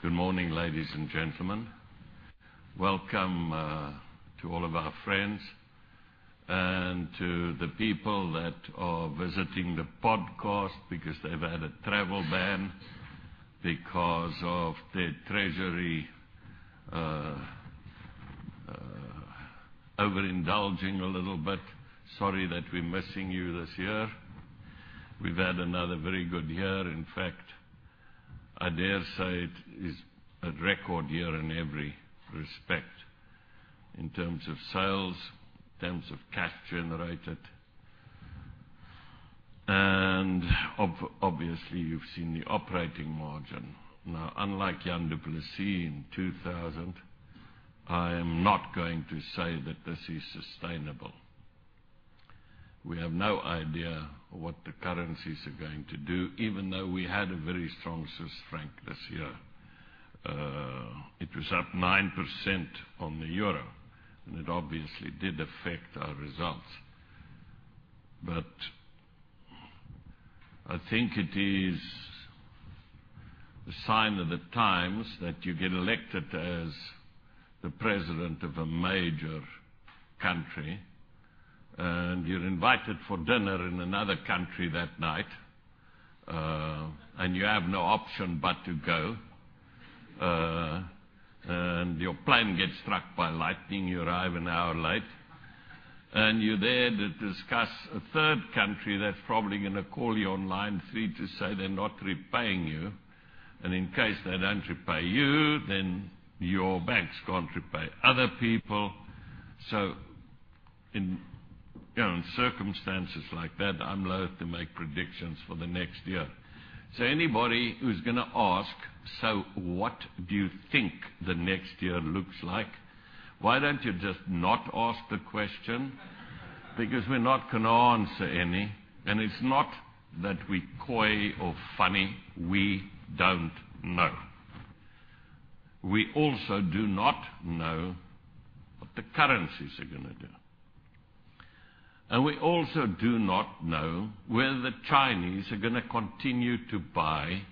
Good morning, ladies and gentlemen. Welcome to all of our friends and to the people that are visiting the podcast because they've had a travel ban because of their treasury overindulging a little bit. Sorry that we're missing you this year. We've had another very good year. In fact, I dare say it is a record year in every respect, in terms of sales, in terms of cash generated. Obviously, you've seen the operating margin. Unlike Jan du Plessis in 2000, I am not going to say that this is sustainable. We have no idea what the currencies are going to do, even though we had a very strong Swiss franc this year. It was up 9% on the EUR, it obviously did affect our results. I think it is a sign of the times that you get elected as the president of a major country, you're invited for dinner in another country that night, you have no option but to go. Your plane gets struck by lightning, you arrive an hour late, you're there to discuss a third country that's probably going to call you on line 3 to say they're not repaying you. In case they don't repay you, your banks can't repay other people. In circumstances like that, I'm loathe to make predictions for the next year. Anybody who's going to ask, "So what do you think the next year looks like?" Why don't you just not ask the question? Because we're not going to answer any. It's not that we're coy or funny. We don't know. We also do not know what the currencies are going to do. We also do not know whether the Chinese are going to continue to buy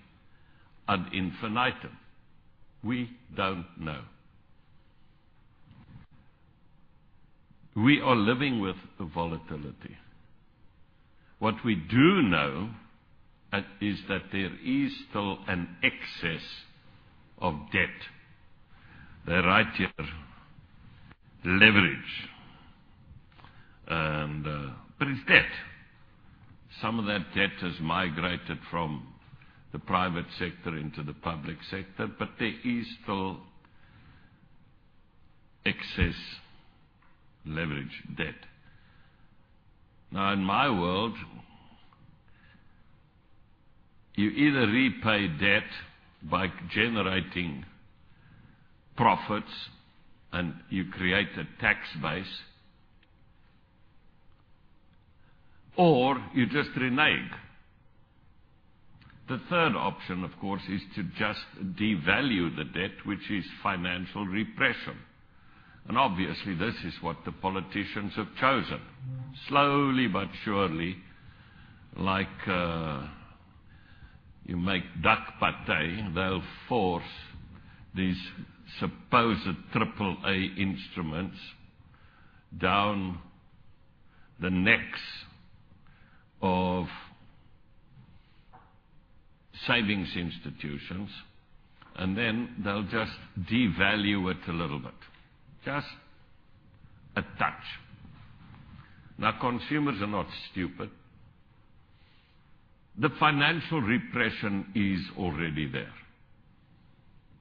ad infinitum. We don't know. We are living with volatility. What we do know is that there is still an excess of debt. They write here, "leverage," but it's debt. Some of that debt has migrated from the private sector into the public sector, there is still excess leverage, debt. In my world, you either repay debt by generating profits, you create a tax base, you just renege. The third option, of course, is to just devalue the debt, which is financial repression. Obviously, this is what the politicians have chosen. Slowly but surely, like you make duck pate, they'll force these supposed triple-A instruments down the necks of savings institutions, they'll just devalue it a little bit, just a touch. Consumers are not stupid. The financial repression is already there.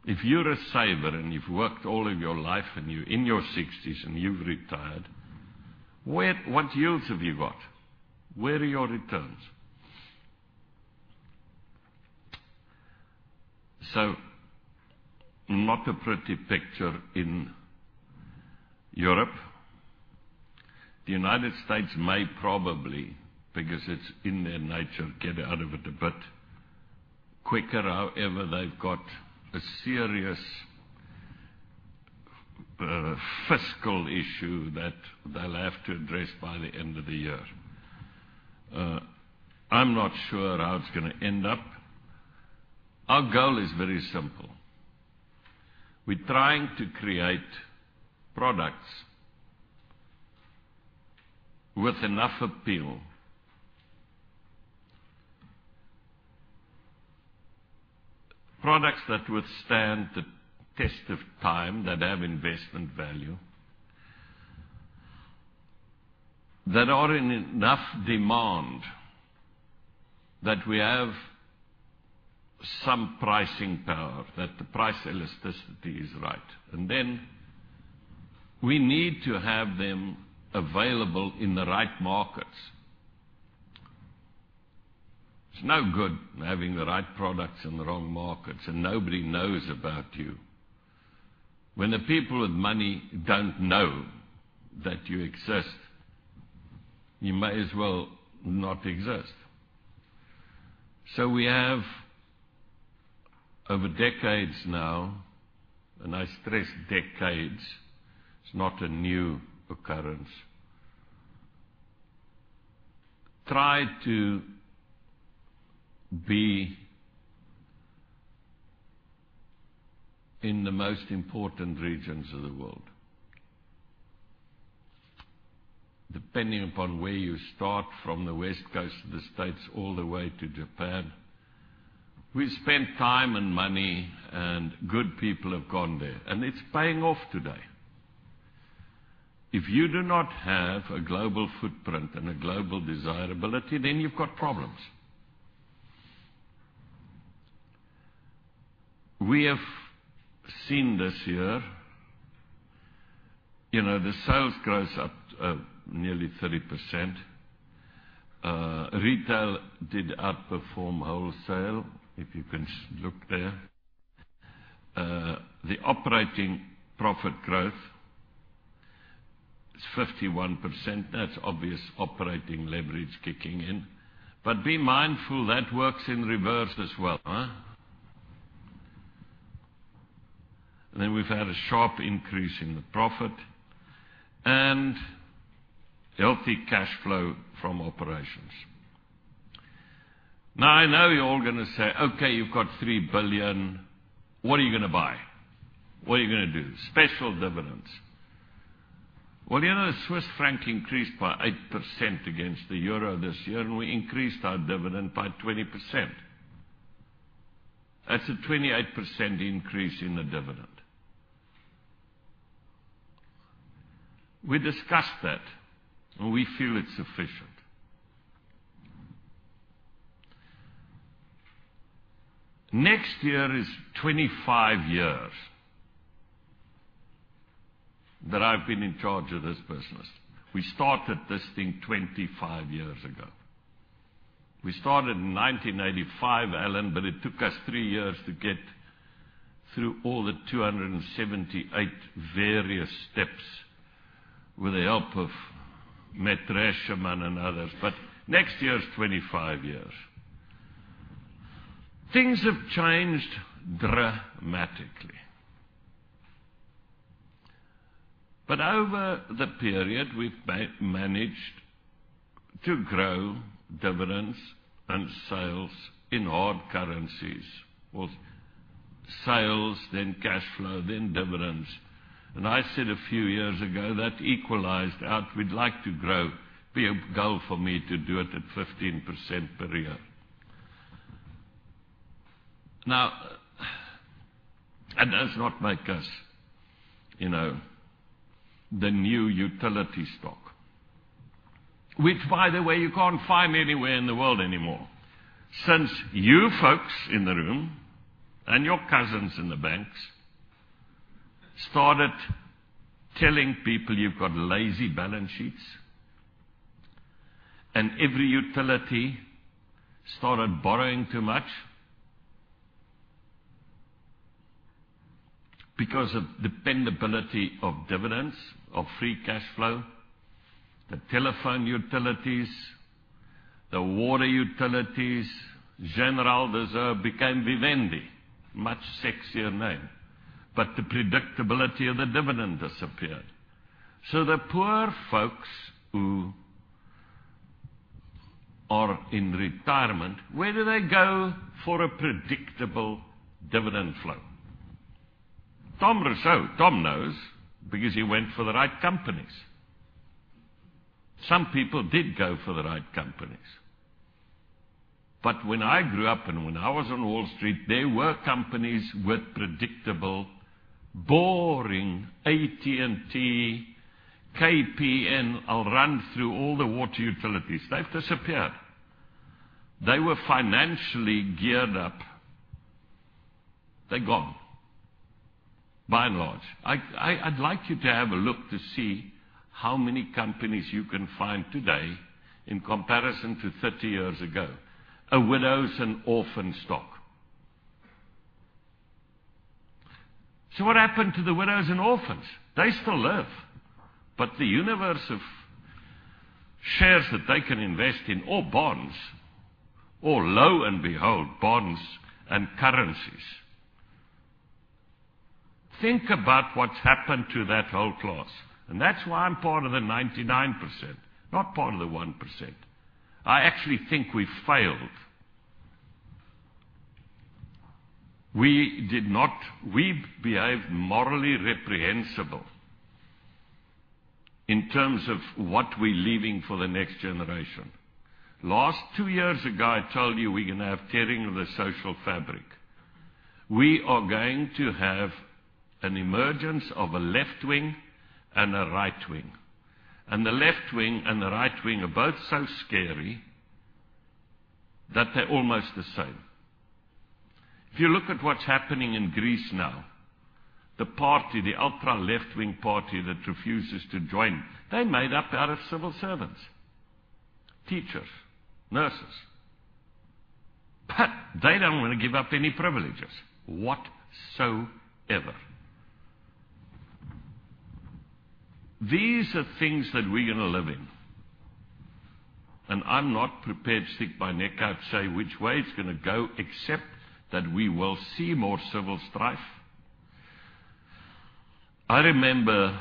If you're a saver you've worked all of your life you're in your 60s you've retired, what yields have you got? Where are your returns? Not a pretty picture in Europe. The United States may probably, because it's in their nature, get out of it a bit quicker. However, they've got a serious fiscal issue that they'll have to address by the end of the year. I'm not sure how it's going to end up. Our goal is very simple. We're trying to create products with enough appeal. Products that withstand the test of time, that have investment value, that are in enough demand that we have some pricing power, that the price elasticity is right. We need to have them available in the right markets. It's no good having the right products in the wrong markets and nobody knows about you. When the people with money don't know that you exist, you may as well not exist. Over decades now, and I stress decades, it's not a new occurrence, tried to be in the most important regions of the world. Depending upon where you start from the West Coast of the U.S. all the way to Japan, we spent time and money, and good people have gone there, and it's paying off today. If you do not have a global footprint and a global desirability, you've got problems. We have seen this year, the sales growth's up nearly 30%. Retail did outperform wholesale, if you can look there. The operating profit growth is 51%, that's obvious operating leverage kicking in. Be mindful, that works in reverse as well. We've had a sharp increase in the profit and healthy cash flow from operations. I know you're all going to say, "Okay, you've got 3 billion. What are you going to buy? What are you going to do? Special dividends." Well, the Swiss franc increased by 8% against the EUR this year, and we increased our dividend by 20%. That's a 28% increase in the dividend. We discussed that, and we feel it's sufficient. Next year is 25 years that I've been in charge of this business. We started this thing 25 years ago. We started in 1995, Alan, but it took us three years to get through all the 278 various steps with the help of métiers manuels and others. Next year is 25 years. Things have changed dramatically. Over the period, we've managed to grow dividends and sales in hard currencies. With sales, then cash flow, then dividends. I said a few years ago, that equalized out, we'd like to grow. Be a goal for me to do it at 15% per year. That does not make us the new utility stock. Which, by the way, you can't find anywhere in the world anymore. Since you folks in the room and your cousins in the banks started telling people you've got lazy balance sheets, every utility started borrowing too much because of dependability of dividends, of free cash flow. The telephone utilities, the water utilities, Generale Reserve became Vivendi, much sexier name. The predictability of the dividend disappeared. The poor folks who are in retirement, where do they go for a predictable dividend flow? Tom Rossu, Tom knows because he went for the right companies. Some people did go for the right companies. When I grew up and when I was on Wall Street, there were companies with predictable, boring AT&T, KPN. I'll run through all the water utilities. They've disappeared. They were financially geared up. They're gone, by and large. I'd like you to have a look to see how many companies you can find today in comparison to 30 years ago, a widows and orphans stock. What happened to the widows and orphans? They still live. The universe of shares that they can invest in, or bonds, or lo and behold, bonds and currencies. Think about what's happened to that whole class. That's why I'm part of the 99%, not part of the 1%. I actually think we failed. We behaved morally reprehensible in terms of what we're leaving for the next generation. Last two years ago, I told you we're going to have tearing of the social fabric. We are going to have an emergence of a left wing and a right wing. The left wing and the right wing are both so scary that they're almost the same. If you look at what's happening in Greece now, the party, the ultra-left-wing party that refuses to join, they're made up out of civil servants, teachers, nurses. They don't want to give up any privileges whatsoever. These are things that we're going to live in, I'm not prepared to stick my neck out to say which way it's going to go, except that we will see more civil strife. I remember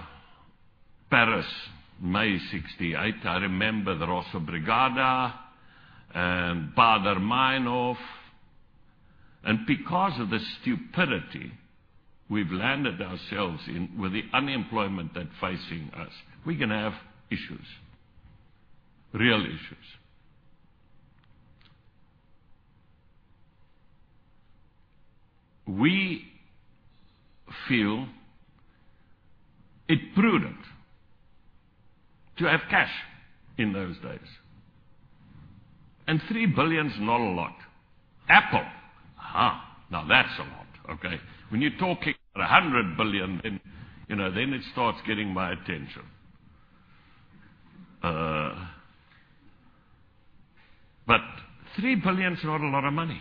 Paris, May '68. I remember the Brigate Rosse and Baader-Meinhof. Because of the stupidity we've landed ourselves in with the unemployment that's facing us, we're going to have issues, real issues. We feel it prudent to have cash in those days. 3 billion's not a lot. Apple. Aha. Now, that's a lot. Okay? When you're talking 100 billion, it starts getting my attention. 3 billion is not a lot of money.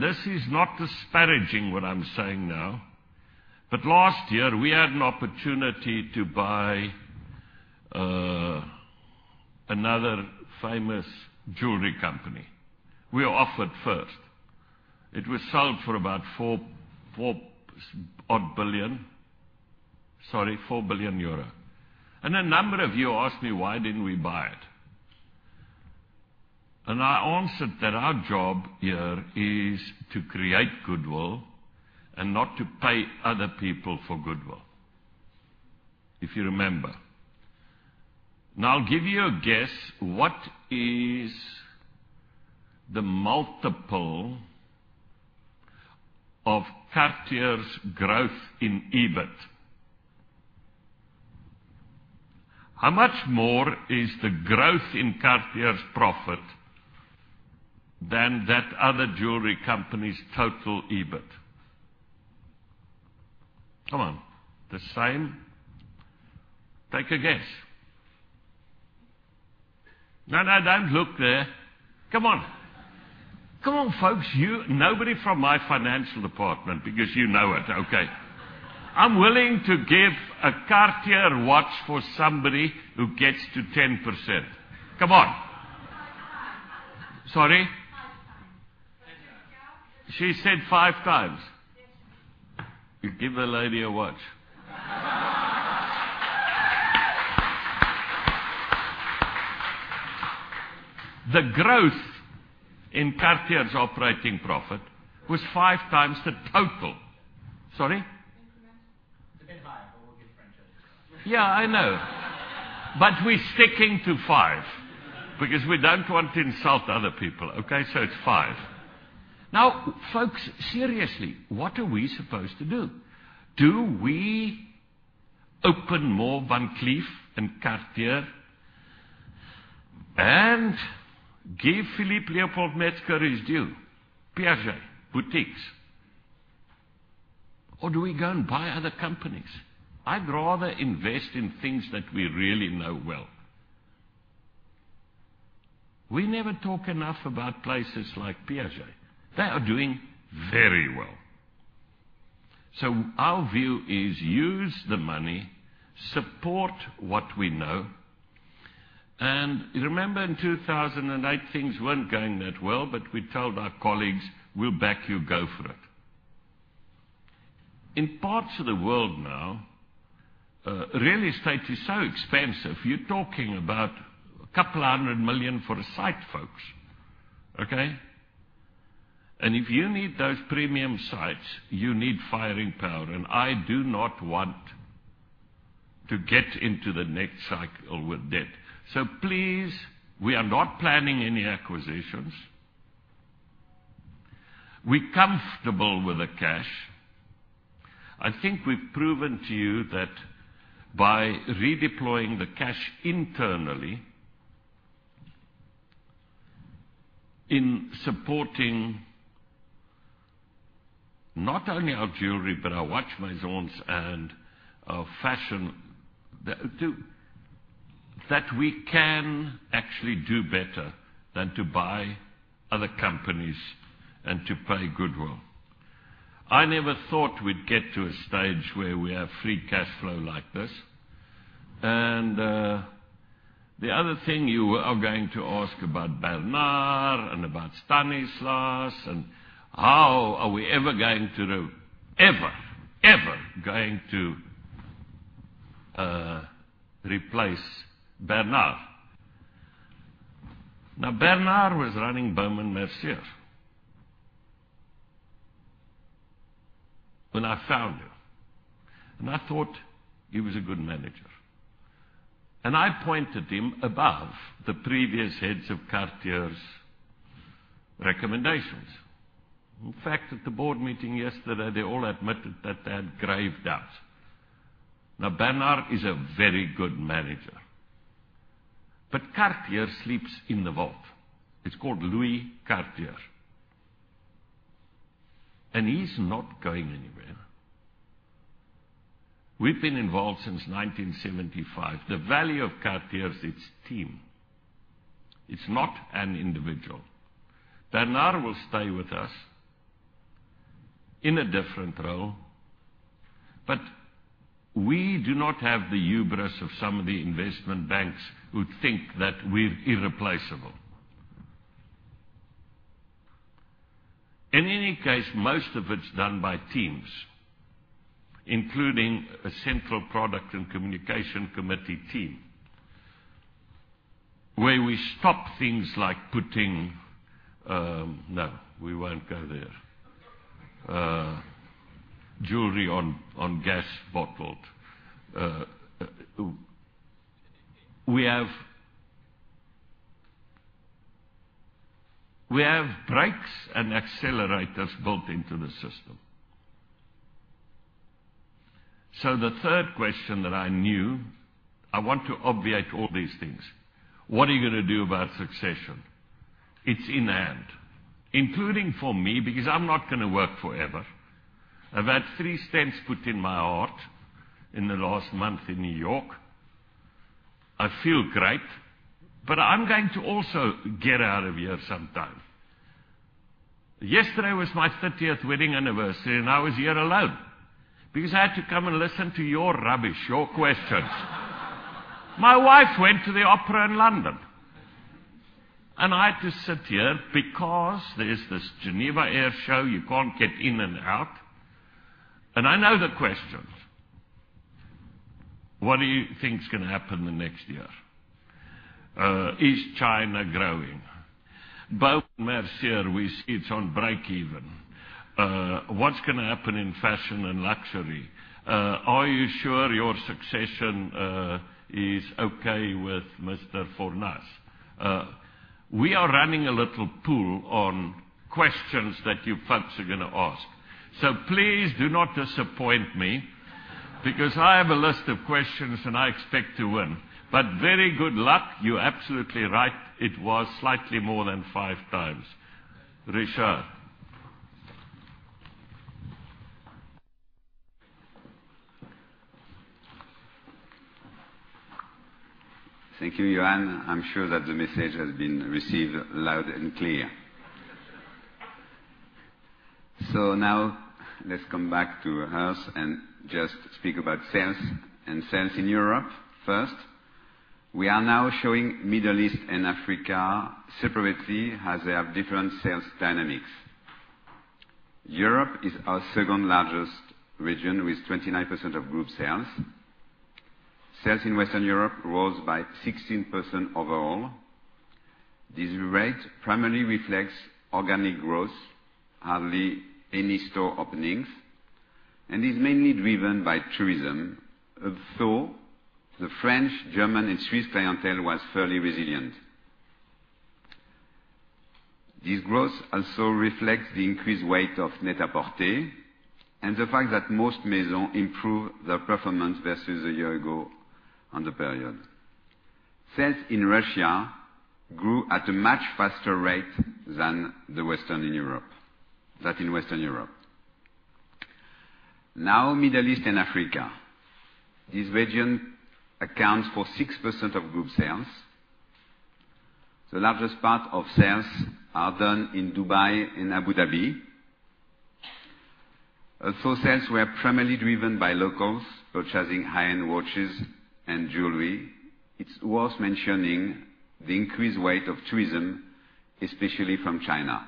This is not disparaging what I'm saying now, but last year, we had an opportunity to buy another famous jewelry company. We were offered first. It was sold for about 4 billion euro. A number of you asked me, why didn't we buy it? I answered that our job here is to create goodwill and not to pay other people for goodwill, if you remember. Now, I'll give you a guess. What is the multiple of Cartier's growth in EBIT? How much more is the growth in Cartier's profit than that other jewelry company's total EBIT? Come on. The same? Take a guess. No, no, don't look there. Come on. Come on, folks. Nobody from my financial department, because you know it, okay. I'm willing to give a Cartier watch for somebody who gets to 10%. Come on. Five times. Sorry? Five times. She said five times. Yes. Give the lady a watch. The growth in Cartier's operating profit was five times the total. Sorry? Increment. It's a bit high, we'll give Frenchy. Yeah, I know. We're sticking to five because we don't want to insult other people, okay? It's five. Folks, seriously, what are we supposed to do? Do we open more Van Cleef & Cartier and give Philippe Léopold-Metzger his due, Piaget boutiques? Do we go and buy other companies? I'd rather invest in things that we really know well. We never talk enough about places like Piaget. They are doing very well. Our view is use the money, support what we know. Remember in 2008, things weren't going that well, but we told our colleagues, "We'll back you. Go for it." In parts of the world now, real estate is so expensive. You're talking about a couple of 100 million for a site, folks, okay? If you need those premium sites, you need firing power. I do not want to get into the next cycle with debt. Please, we are not planning any acquisitions. We're comfortable with the cash. I think we've proven to you that by redeploying the cash internally in supporting not only our jewelry, but our watch Maisons and our fashion, that we can actually do better than to buy other companies and to pay goodwill. I never thought we'd get to a stage where we have free cash flow like this. The other thing you are going to ask about Bernard and about Stanislas, and how are we ever going to replace Bernard? Bernard was running Baume & Mercier when I found him, and I thought he was a good manager. I appointed him above the previous heads of Cartier's recommendations. In fact, at the board meeting yesterday, they all admitted that they had grave doubts. Bernard is a very good manager. Cartier sleeps in the vault. It's called Louis Cartier. He's not going anywhere. We've been involved since 1975. The value of Cartier is its team. It's not an individual. Bernard will stay with us in a different role, but we do not have the hubris of some of the investment banks who think that we're irreplaceable. In any case, most of it's done by teams, including a central product and communication committee team, where we stop things like putting Jewelry on gas bottled. No, we won't go there. We have breaks and accelerators built into the system. The third question that I knew, I want to obviate all these things. What are you going to do about succession? It's in hand, including for me, because I'm not going to work forever. I've had three stents put in my heart in the last month in New York. I feel great, but I'm going to also get out of here sometime. Yesterday was my 30th wedding anniversary, I was here alone because I had to come and listen to your rubbish, your questions. My wife went to the opera in London. I had to sit here because there's this Geneva Air Show, you can't get in and out. I know the questions. What do you think is going to happen the next year? Is China growing? Baume & Mercier, it's on breakeven. What's going to happen in fashion and luxury? Are you sure your succession is okay with Mr. Fornas? We are running a little pool on questions that you folks are going to ask. Please do not disappoint me because I have a list of questions, I expect to win. Very good luck, you're absolutely right. It was slightly more than five times. Richard. Thank you, Johann. I'm sure that the message has been received loud and clear. Now let's come back to hers and just speak about sales and sales in Europe first. We are now showing Middle East and Africa separately as they have different sales dynamics. Europe is our second-largest region with 29% of group sales. Sales in Western Europe rose by 16% overall. This rate primarily reflects organic growth, hardly any store openings, and is mainly driven by tourism. Although, the French, German, and Swiss clientele was fairly resilient. This growth also reflects the increased weight of Net-a-Porter and the fact that most Maison improved their performance versus a year ago on the period. Sales in Russia grew at a much faster rate than in Western Europe. Middle East and Africa. This region accounts for 6% of group sales. The largest part of sales are done in Dubai and Abu Dhabi. Sales were primarily driven by locals purchasing high-end watches and jewelry. It's worth mentioning the increased weight of tourism, especially from China.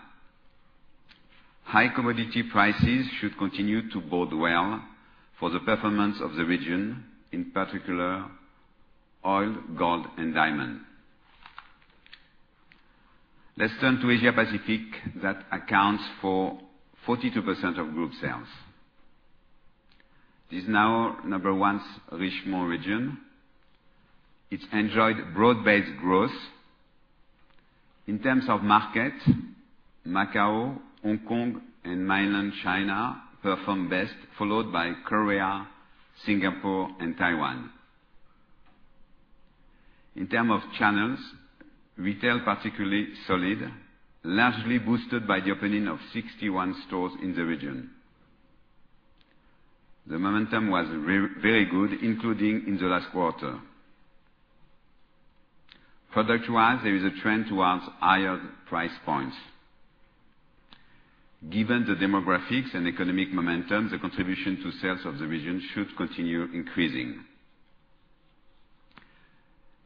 High commodity prices should continue to bode well for the performance of the region, in particular, oil, gold, and diamond. Let's turn to Asia Pacific. That accounts for 42% of group sales. It is now number 1 Richemont region. It's enjoyed broad-based growth. In terms of market, Macau, Hong Kong, and mainland China performed best, followed by Korea, Singapore, and Taiwan. In terms of channels, retail particularly solid, largely boosted by the opening of 61 stores in the region. The momentum was very good, including in the last quarter. Product-wise, there is a trend towards higher price points. Given the demographics and economic momentum, the contribution to sales of the region should continue increasing.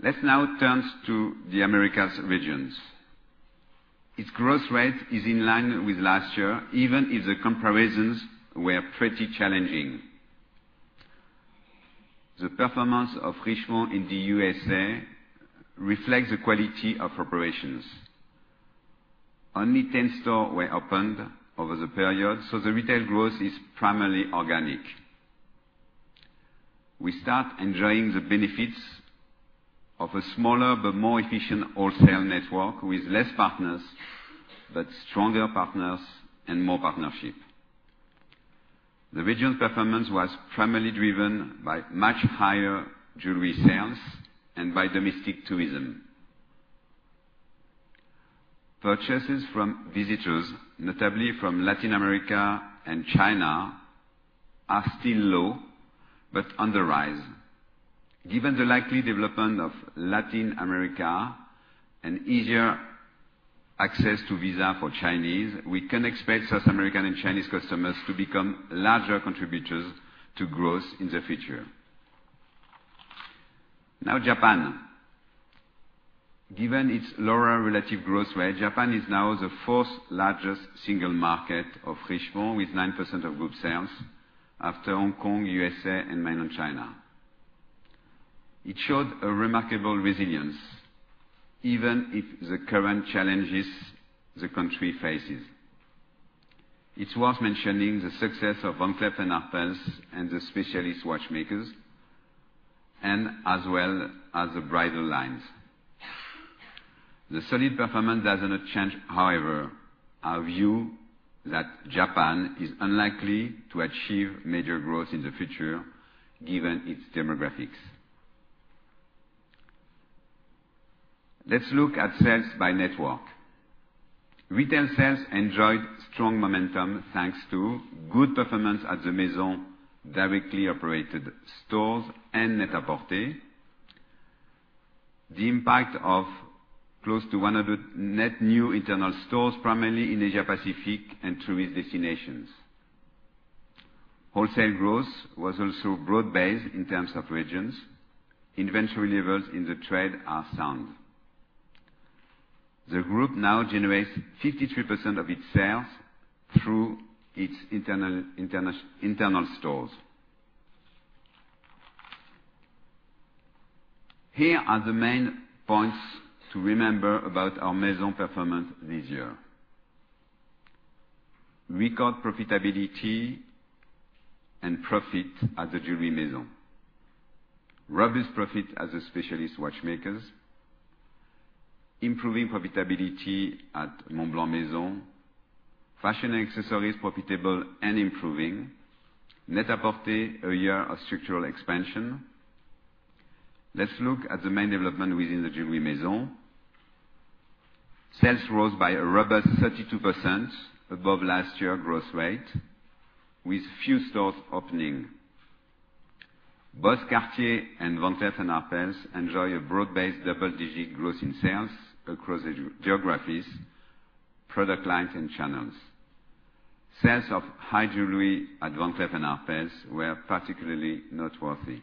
Let's now turn to the Americas regions. Its growth rate is in line with last year, even if the comparisons were pretty challenging. The performance of Richemont in the U.S.A. reflects the quality of operations. Only 10 stores were opened over the period, so the retail growth is primarily organic. We start enjoying the benefits of a smaller but more efficient wholesale network with less partners, but stronger partners and more partnership. The region's performance was primarily driven by much higher jewelry sales and by domestic tourism. Purchases from visitors, notably from Latin America and China, are still low, but on the rise. Given the likely development of Latin America and easier access to visa for Chinese, we can expect South American and Chinese customers to become larger contributors to growth in the future. Now, Japan. Given its lower relative growth rate, Japan is now the 9% of group sales after Hong Kong, USA, and mainland China. It showed a remarkable resilience even if the current challenges the country faces. It is worth mentioning the success of Van Cleef & Arpels and the specialist watchmakers, and as well as the bridal lines. The solid performance does not change, however, our view that Japan is unlikely to achieve major growth in the future given its demographics. Let's look at sales by network. Retail sales enjoyed strong momentum, thanks to good performance at the Maison directly operated stores and Net-a-Porter, the impact of close to 100 net new internal stores, primarily in Asia-Pacific and tourist destinations. Wholesale growth was also broad-based in terms of regions. Inventory levels in the trade are sound. The group now generates 53% of its sales through its internal stores. Here are the main points to remember about our Maison performance this year. Record profitability and profit at the Jewelry Maison. Robust profit as a specialist watchmaker. Improving profitability at Montblanc Maison. Fashion & Accessories profitable and improving. Net-a-Porter, a year of structural expansion. Let's look at the main development within the Jewelry Maison. Sales rose by a robust 32% above last year's growth rate with few stores opening. Both Cartier and Van Cleef & Arpels enjoy a broad-based double-digit growth in sales across geographies, product lines, and channels. Sales of high jewelry at Van Cleef & Arpels were particularly noteworthy.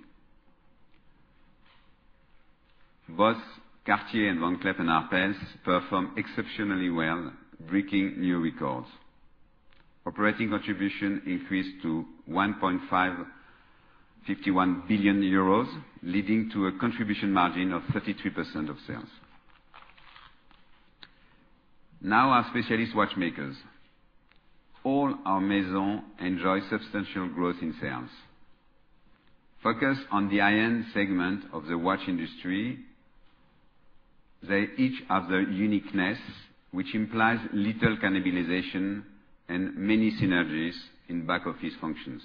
Both Cartier and Van Cleef & Arpels performed exceptionally well, breaking new records. Operating contribution increased to 1.51 billion euros, leading to a contribution margin of 33% of sales. Now, our specialist watchmakers. All our Maison enjoy substantial growth in sales. Focus on the high-end segment of the watch industry, they each have their uniqueness, which implies little cannibalization and many synergies in back-office functions.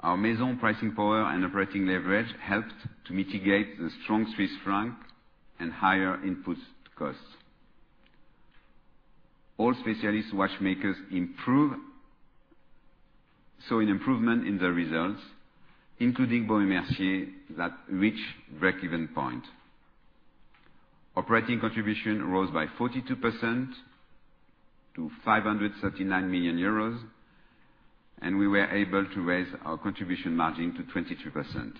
Our Maison pricing power and operating leverage helped to mitigate the strong Swiss franc and higher input costs. All specialist watchmakers saw an improvement in their results, including Baume & Mercier that reached breakeven point. Operating contribution rose by 42% to 539 million euros, We were able to raise our contribution margin to 23%.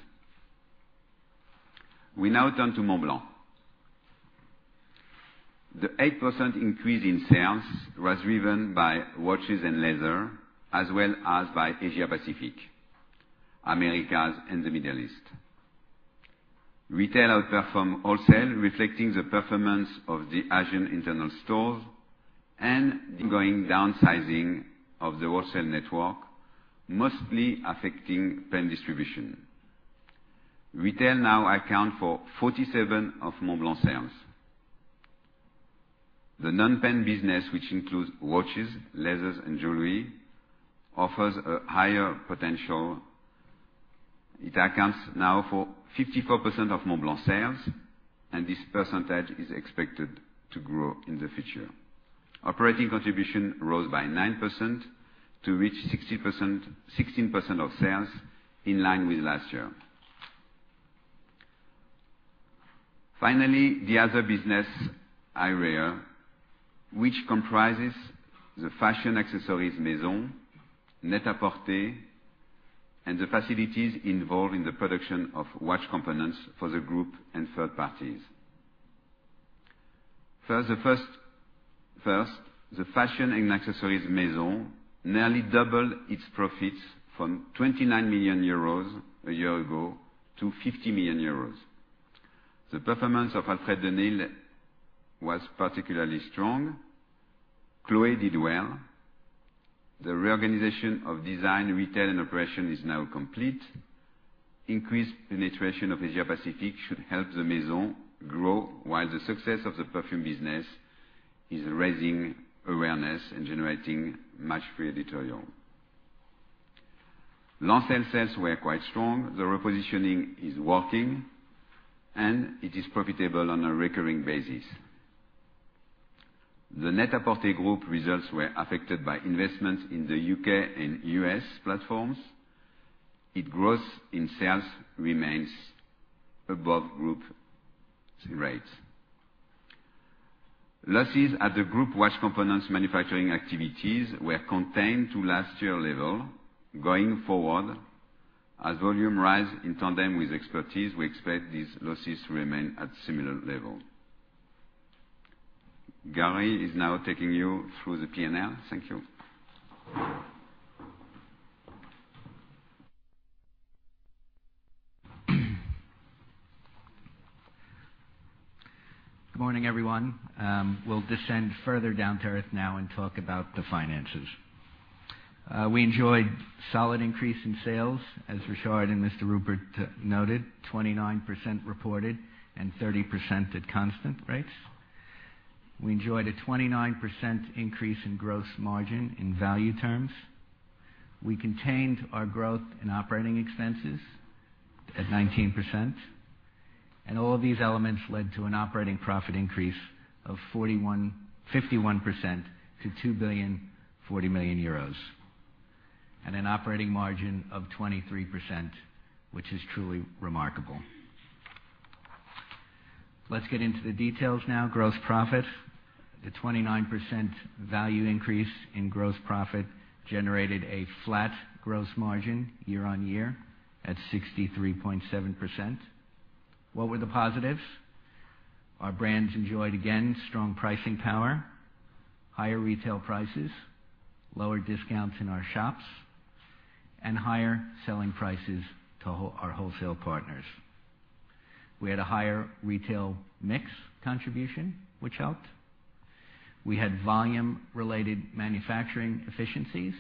We now turn to Montblanc. The 8% increase in sales was driven by watches and leather as well as by Asia-Pacific, Americas, and the Middle East. Retail outperformed wholesale, reflecting the performance of the Asian internal stores and the ongoing downsizing of the wholesale network, mostly affecting pen distribution. Retail now accounts for 47% of Montblanc sales. The non-pen business, which includes watches, leathers, and jewelry, offers a higher potential. It accounts now for 54% of Montblanc sales, This percentage is expected to grow in the future. Operating contribution rose by 9% to reach 16% of sales in line with last year. Finally, the other business area, which comprises the Fashion & Accessories Maison, Net-a-Porter, and the facilities involved in the production of watch components for the group and third parties. First, the Fashion & Accessories Maison nearly doubled its profits from 29 million euros a year ago to 50 million euros. The performance of Alfred Dunhill was particularly strong. Chloé did well. The reorganization of design, retail, and operation is now complete. Increased penetration of Asia-Pacific should help the Maison grow, while the success of the perfume business is raising awareness and generating much free editorial Lancel sales were quite strong. The repositioning is working, it is profitable on a recurring basis. The Net-a-Porter Group results were affected by investments in the U.K. and U.S. platforms. Its growth in sales remains above group rates. Losses at the group watch components manufacturing activities were contained to last year level. Going forward, as volume rise in tandem with expertise, we expect these losses to remain at similar level. Gary is now taking you through the P&L. Thank you. Good morning, everyone. We'll descend further down to earth now and talk about the finances. We enjoyed solid increase in sales as Richard and Mr. Rupert noted, 29% reported and 30% at constant rates. We enjoyed a 29% increase in gross margin in value terms. We contained our growth in operating expenses at 19%, all of these elements led to an operating profit increase of 51% to 2,040 million euros, and an operating margin of 23%, which is truly remarkable. Let's get into the details now. Gross profit. The 29% value increase in gross profit generated a flat gross margin year-on-year at 63.7%. What were the positives? Our brands enjoyed, again, strong pricing power, higher retail prices, lower discounts in our shops, and higher selling prices to our wholesale partners. We had a higher retail mix contribution, which helped. We had volume-related manufacturing efficiencies,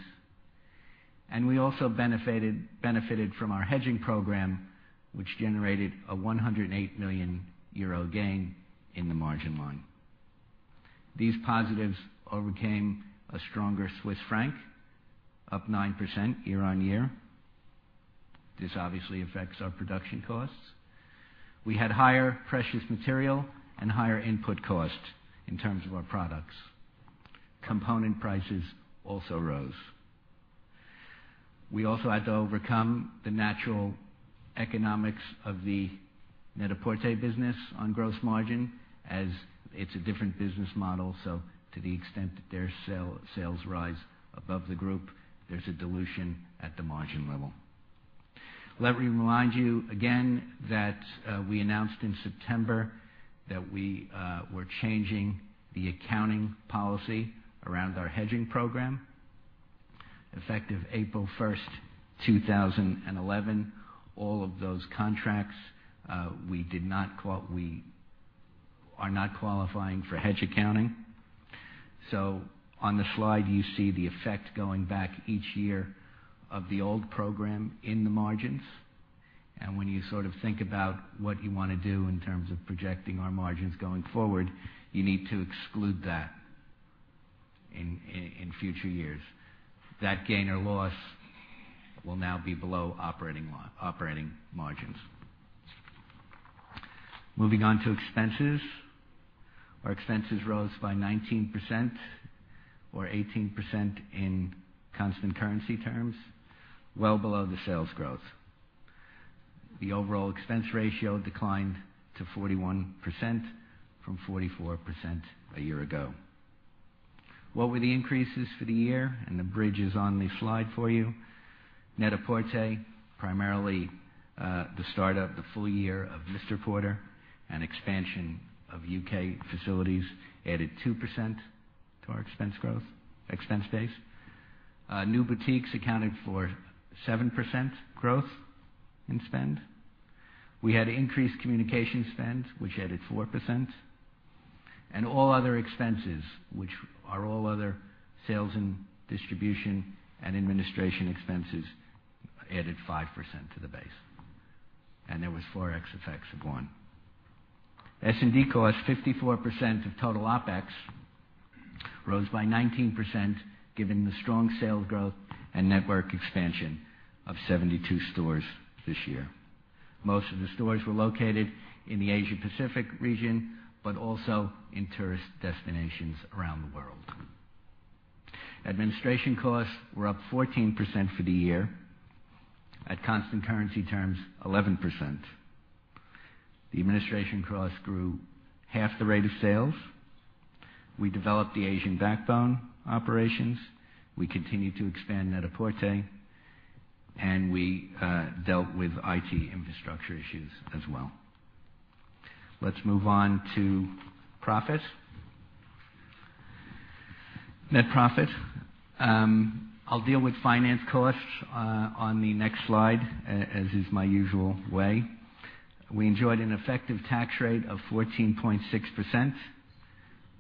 we also benefited from our hedging program, which generated a 108 million euro gain in the margin line. These positives overcame a stronger Swiss franc, up 9% year-on-year. This obviously affects our production costs. We had higher precious material and higher input cost in terms of our products. Component prices also rose. We also had to overcome the natural economics of the Net-a-Porter business on gross margin as it's a different business model. To the extent that their sales rise above the group, there's a dilution at the margin level. Let me remind you again that we announced in September that we were changing the accounting policy around our hedging program effective April 1st, 2011. All of those contracts, we are not qualifying for hedge accounting. On the slide, you see the effect going back each year of the old program in the margins. When you think about what you want to do in terms of projecting our margins going forward, you need to exclude that in future years. That gain or loss will now be below operating margins. Moving on to expenses. Our expenses rose by 19% or 18% in constant currency terms, well below the sales growth. The overall expense ratio declined to 41% from 44% a year ago. What were the increases for the year? The bridge is on the slide for you. Net-a-Porter, primarily the start of the full year of Mr Porter and expansion of U.K. facilities added 2% to our expense base. New boutiques accounted for 7% growth in spend. We had increased communication spend, which added 4%. All other expenses, which are all other sales in distribution and administration expenses, added 5% to the base. There was Forex effects of one. S&D cost, 54% of total OpEx rose by 19% given the strong sales growth and network expansion of 72 stores this year. Most of the stores were located in the Asia Pacific region, but also in tourist destinations around the world. Administration costs were up 14% for the year. At constant currency terms, 11%. The administration costs grew half the rate of sales. We developed the Asian backbone operations. We continued to expand Net-a-Porter, and we dealt with IT infrastructure issues as well. Let's move on to profit. Net profit. I'll deal with finance costs on the next slide, as is my usual way. We enjoyed an effective tax rate of 14.6%.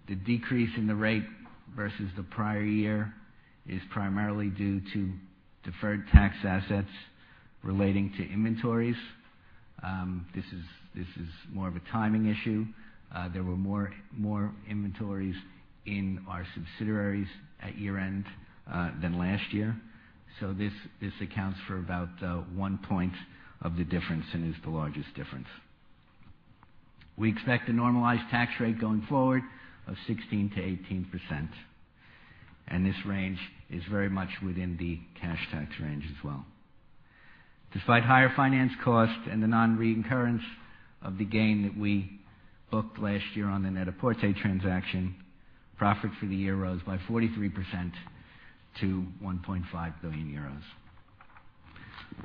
The decrease in the rate versus the prior year is primarily due to deferred tax assets relating to inventories, this is more of a timing issue. There were more inventories in our subsidiaries at year-end than last year. So this accounts for about one point of the difference and is the largest difference. We expect a normalized tax rate going forward of 16%-18%, and this range is very much within the cash tax range as well. Despite higher finance costs and the non-reoccurrence of the gain that we booked last year on the Net-a-Porter transaction, profit for the year rose by 43% to 1.5 billion euros.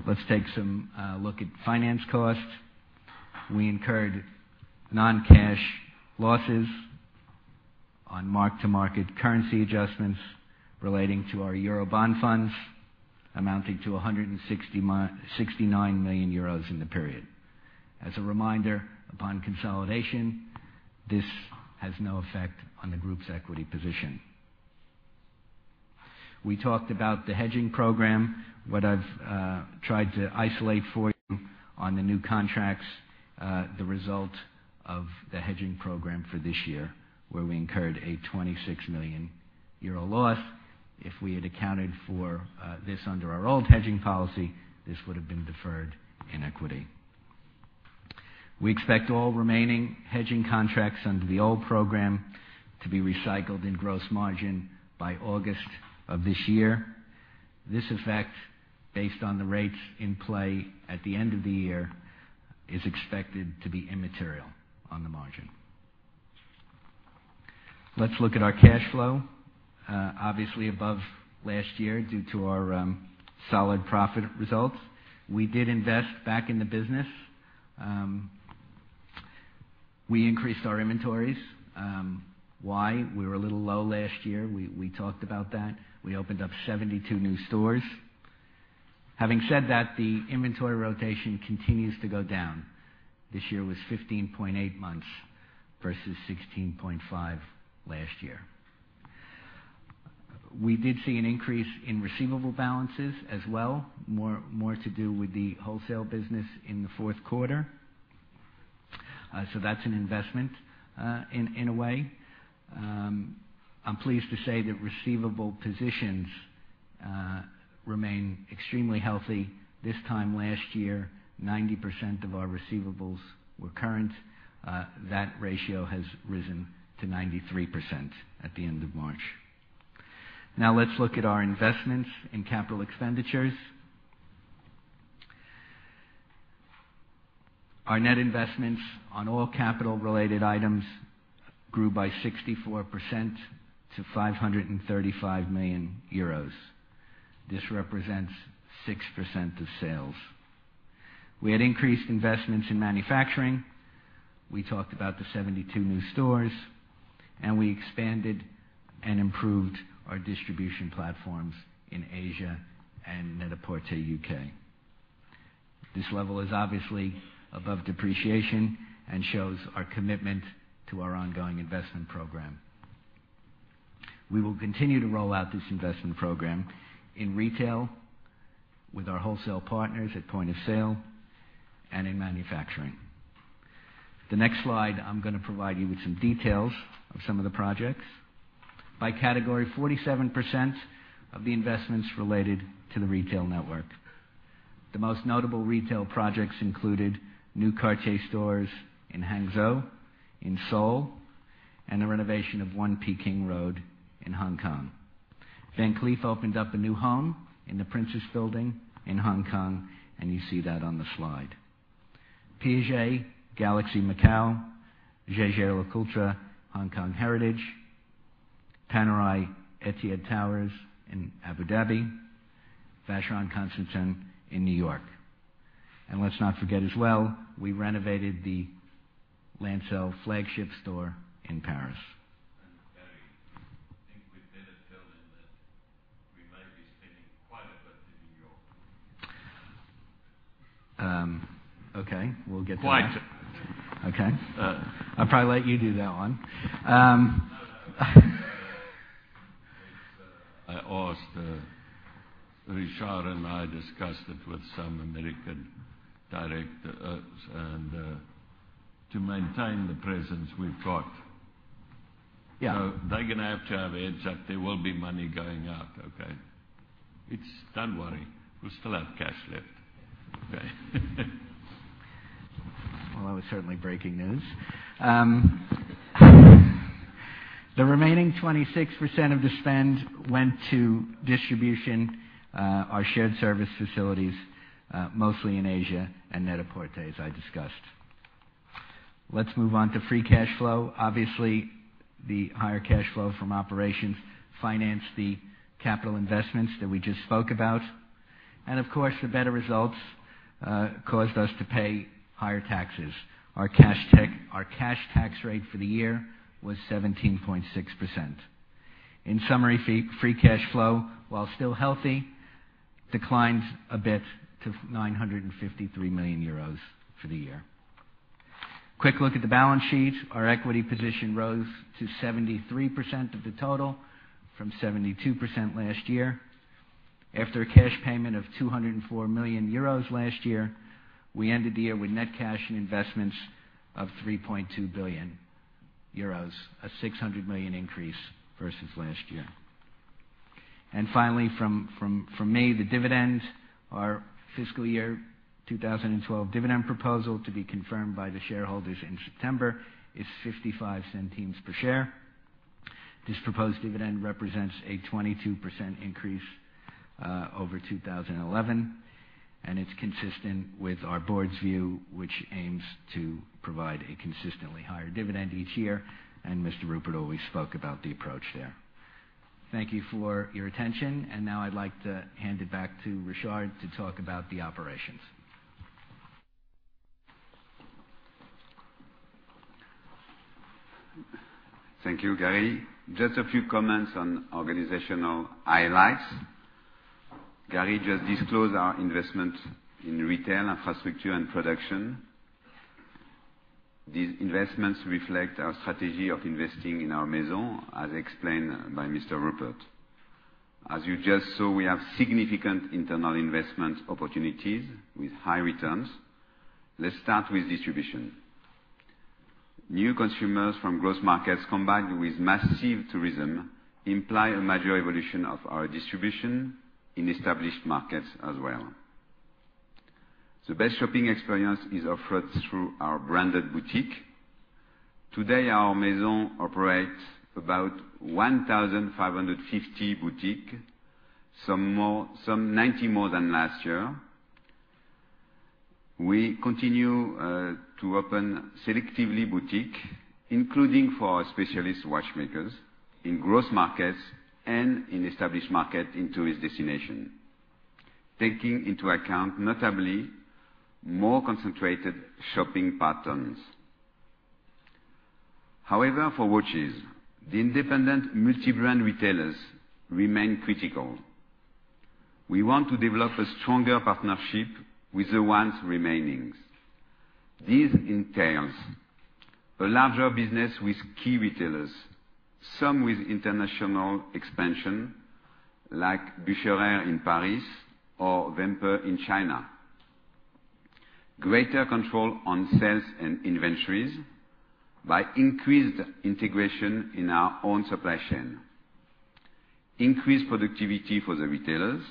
Let's take some look at finance costs. We incurred non-cash losses on mark-to-market currency adjustments relating to our euro bond funds amounting to 169 million euros in the period. As a reminder, upon consolidation, this has no effect on the group's equity position. We talked about the hedging program, what I've tried to isolate for you on the new contracts, the result of the hedging program for this year, where we incurred a 26 million euro loss. If we had accounted for this under our old hedging policy, this would have been deferred in equity. We expect all remaining hedging contracts under the old program to be recycled in gross margin by August of this year. This effect, based on the rates in play at the end of the year, is expected to be immaterial on the margin. Let's look at our cash flow, obviously above last year due to our solid profit results. We did invest back in the business. We increased our inventories. Why? We were a little low last year. We talked about that. We opened up 72 new stores. Having said that, the inventory rotation continues to go down. This year was 15.8 months versus 16.5 last year. We did see an increase in receivable balances as well, more to do with the wholesale business in the fourth quarter. So that's an investment in a way. I'm pleased to say that receivable positions remain extremely healthy. This time last year, 90% of our receivables were current. That ratio has risen to 93% at the end of March. Now let's look at our investments in capital expenditures. Our net investments on all capital-related items grew by 64% to 535 million euros. This represents 6% of sales. We had increased investments in manufacturing. We talked about the 72 new stores, and we expanded and improved our distribution platforms in Asia and Net-a-Porter U.K. This level is obviously above depreciation and shows our commitment to our ongoing investment program. We will continue to roll out this investment program in retail with our wholesale partners at point of sale and in manufacturing. The next slide, I'm going to provide you with some details of some of the projects. By category, 47% of the investments related to the retail network. The most notable retail projects included new Cartier stores in Hangzhou, in Seoul, and the renovation of 1 Peking Road in Hong Kong. Van Cleef opened up a new home in the Prince's Building in Hong Kong, and you see that on the slide. Piaget, Galaxy Macau, Jaeger-LeCoultre, Hong Kong Heritage, Panerai, Etihad Towers in Abu Dhabi, Vacheron Constantin in New York. Let's not forget as well, we renovated the Lancel flagship store in Paris. Gary, I think we better tell them that we might be spending quite a bit in New York. Okay, we'll get to that. Quite. Okay. I'll probably let you do that one. I asked Richard, I discussed it with some American directors, to maintain the presence we've got. Yeah. They're going to have to have heads up. There will be money going out, okay? Don't worry, we'll still have cash left. Okay. Well, that was certainly breaking news. The remaining 26% of the spend went to distribution, our shared service facilities, mostly in Asia and Net-a-Porter, as I discussed. Let's move on to free cash flow. Obviously, the higher cash flow from operations financed the capital investments that we just spoke about. Of course, the better results caused us to pay higher taxes. Our cash tax rate for the year was 17.6%. In summary, free cash flow, while still healthy, declined a bit to 953 million euros for the year. Quick look at the balance sheet. Our equity position rose to 73% of the total from 72% last year. After a cash payment of 204 million euros last year, we ended the year with net cash and investments of 3.2 billion euros, a 600 million increase versus last year. Finally, from me, the dividend. Our fiscal year 2012 dividend proposal to be confirmed by the shareholders in September is 0.55 per share. This proposed dividend represents a 22% increase over 2011, it's consistent with our board's view, which aims to provide a consistently higher dividend each year. Mr. Rupert always spoke about the approach there. Thank you for your attention. Now I'd like to hand it back to Richard to talk about the operations. Thank you, Gary. Just a few comments on organizational highlights. Gary just disclosed our investment in retail, infrastructure, and production. These investments reflect our strategy of investing in our Maison, as explained by Mr. Rupert. As you just saw, we have significant internal investment opportunities with high returns. Let's start with distribution. New consumers from growth markets combined with massive tourism imply a major evolution of our distribution in established markets as well. The best shopping experience is offered through our branded boutique. Today, our Maison operates about 1,550 boutiques, some 90 more than last year. We continue to open selectively boutique, including for our specialist watchmakers in growth markets and in established market in tourist destination, taking into account notably more concentrated shopping patterns. However, for watches, the independent multi-brand retailers remain critical. We want to develop a stronger partnership with the ones remaining. This entails a larger business with key retailers, some with international expansion like Boucherer in Paris or Wempe in China. Greater control on sales and inventories by increased integration in our own supply chain. Increased productivity for the retailers,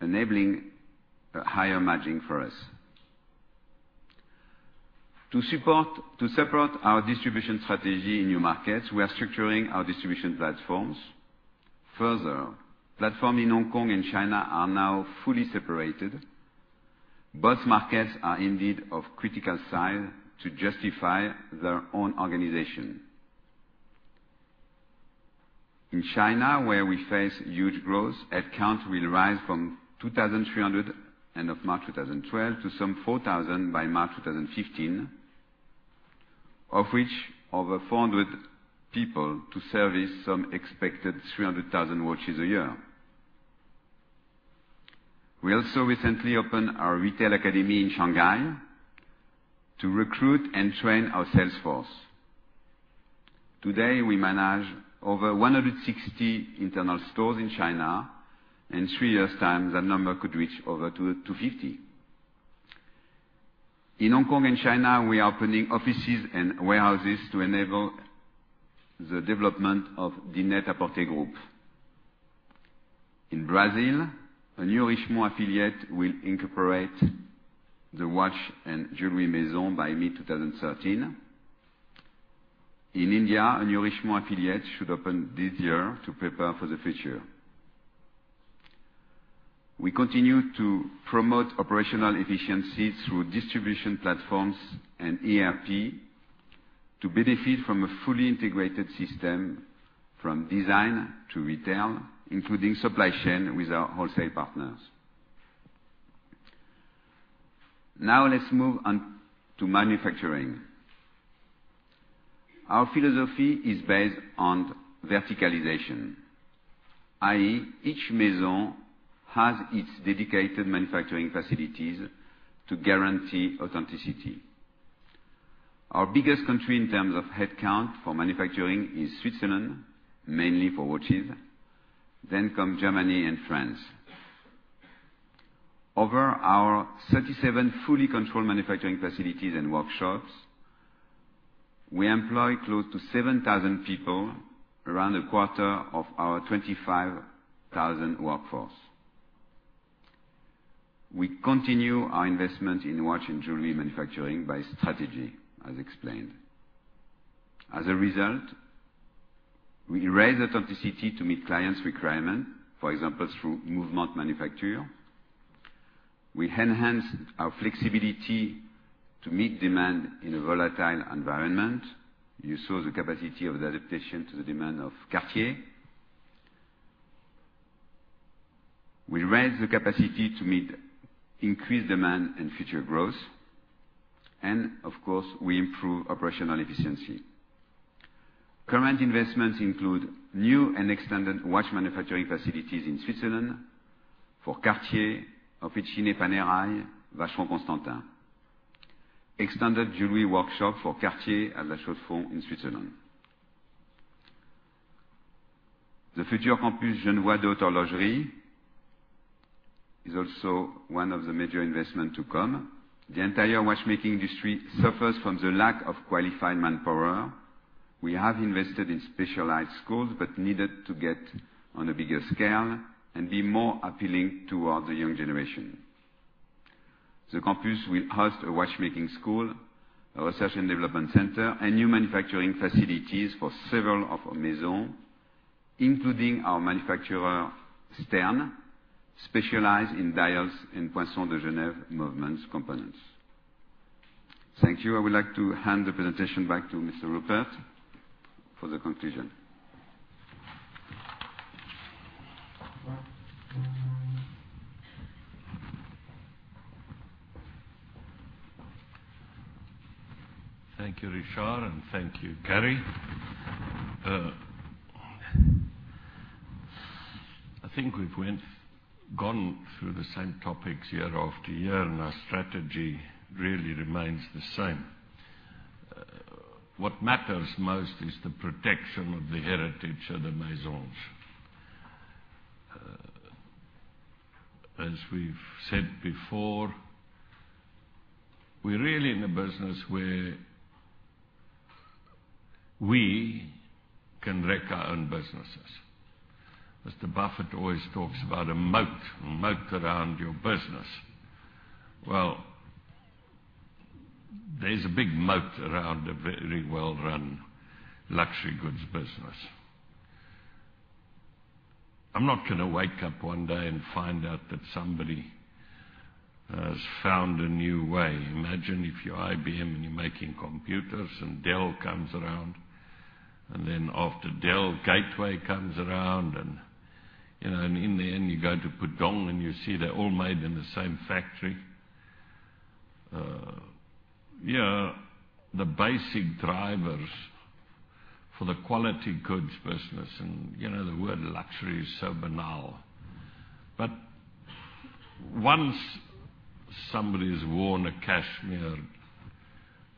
enabling a higher margin for us. To support our distribution strategy in new markets, we are structuring our distribution platforms. Platform in Hong Kong and China are now fully separated. Both markets are indeed of critical size to justify their own organization. In China, where we face huge growth, headcount will rise from 2,300 end of March 2012 to some 4,000 by March 2015, of which over 400 people to service some expected 300,000 watches a year. We also recently opened our retail academy in Shanghai to recruit and train our sales force. Today, we manage over 160 internal stores in China. In three years' time, that number could reach over to 250. In Hong Kong and China, we are opening offices and warehouses to enable the development of the Net-a-Porter Group. In Brazil, a new Richemont affiliate will incorporate the watch and jewelry Maison by mid-2013. In India, a new Richemont affiliate should open this year to prepare for the future. We continue to promote operational efficiency through distribution platforms and ERP to benefit from a fully integrated system from design to retail, including supply chain with our wholesale partners. Now let's move on to manufacturing. Our philosophy is based on verticalization, i.e., each Maison has its dedicated manufacturing facilities to guarantee authenticity. Our biggest country in terms of headcount for manufacturing is Switzerland, mainly for watches, then come Germany and France. Over our 37 fully controlled manufacturing facilities and workshops, we employ close to 7,000 people, around a quarter of our 25,000 workforce. We continue our investment in watch and jewelry manufacturing by strategy, as explained. As a result, we raise authenticity to meet clients' requirement, for example, through movement manufacture. We enhance our flexibility to meet demand in a volatile environment. You saw the capacity of adaptation to the demand of Cartier. We raise the capacity to meet increased demand and future growth. Of course, we improve operational efficiency. Current investments include new and extended watch manufacturing facilities in Switzerland for Cartier, Officine Panerai, Vacheron Constantin. Extended jewelry workshop for Cartier at La Chaux-de-Fonds in Switzerland. The future Campus Genevois d'Horlogerie is also one of the major investment to come. The entire watchmaking industry suffers from the lack of qualified manpower. We have invested in specialized schools, but needed to get on a bigger scale and be more appealing toward the young generation. The campus will host a watchmaking school, a research and development center, and new manufacturing facilities for several of our Maison, including our manufacturer, Stern, specialized in dials and Poinçon de Genève movements components. Thank you. I would like to hand the presentation back to Mr. Rupert for the conclusion. Thank you, Richard, and thank you, Gary. I think we've gone through the same topics year after year, and our strategy really remains the same. What matters most is the protection of the heritage of the Maisons. As we've said before, we're really in a business where we can wreck our own businesses. Mr. Buffett always talks about a moat, a moat around your business. Well, there's a big moat around a very well-run luxury goods business. I'm not going to wake up one day and find out that somebody has found a new way. Imagine if you're IBM and you're making computers, and Dell comes around, and then after Dell, Gateway comes around. In the end, you go to Pudong, and you see they're all made in the same factory. The basic drivers for the quality goods business, and the word luxury is so banal. Once somebody's worn a cashmere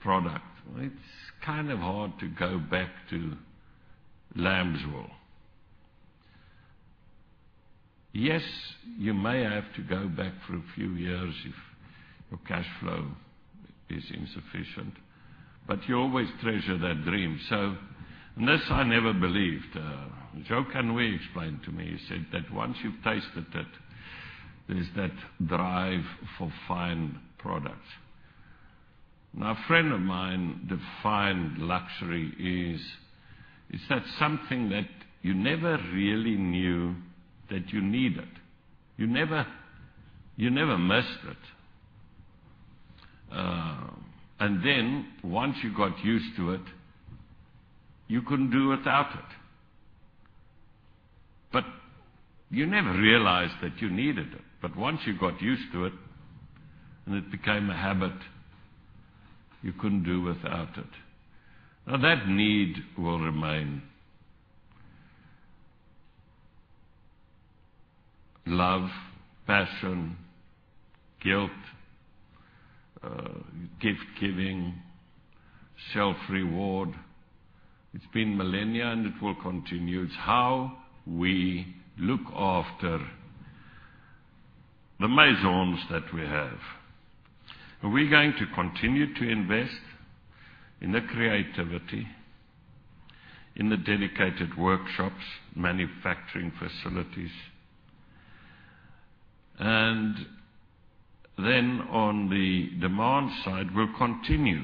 product, it's kind of hard to go back to lambswool. Yes, you may have to go back for a few years if your cash flow is insufficient, but you always treasure that dream. This, I never believed. Joe Kanoui explained to me, he said that once you've tasted it, there's that drive for fine products. Now, a friend of mine defined luxury is that something that you never really knew that you needed. You never missed it. Then once you got used to it, you couldn't do without it. You never realized that you needed it. Once you got used to it and it became a habit, you couldn't do without it. Now, that need will remain. Love, passion, guilt, gift-giving, self-reward. It's been millennia and it will continue. It's how we look after the Maisons that we have. Are we going to continue to invest in the creativity, in the dedicated workshops, manufacturing facilities? Then on the demand side, we'll continue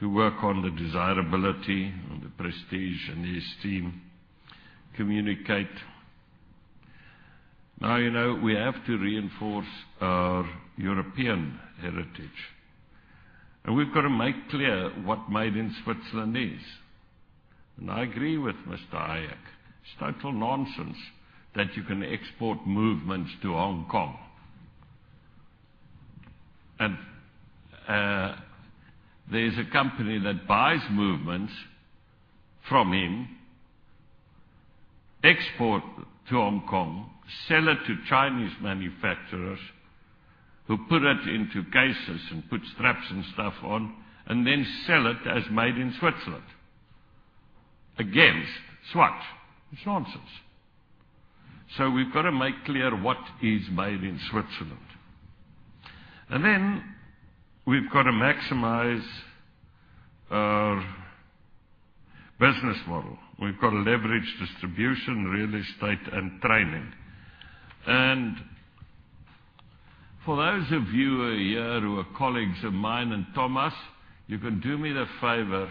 to work on the desirability and the prestige and the esteem, communicate. Now, we have to reinforce our European heritage. We've got to make clear what made in Switzerland is. I agree with Mr. Hayek. It's total nonsense that you can export movements to Hong Kong. There's a company that buys movements from him, export to Hong Kong, sell it to Chinese manufacturers who put it into cases and put straps and stuff on, and then sell it as made in Switzerland. Against Swatch. It's nonsense. We've got to make clear what is made in Switzerland. Then we've got to maximize our business model. We've got to leverage distribution, real estate, and training. For those of you who are here who are colleagues of mine and Thomas, you can do me the favor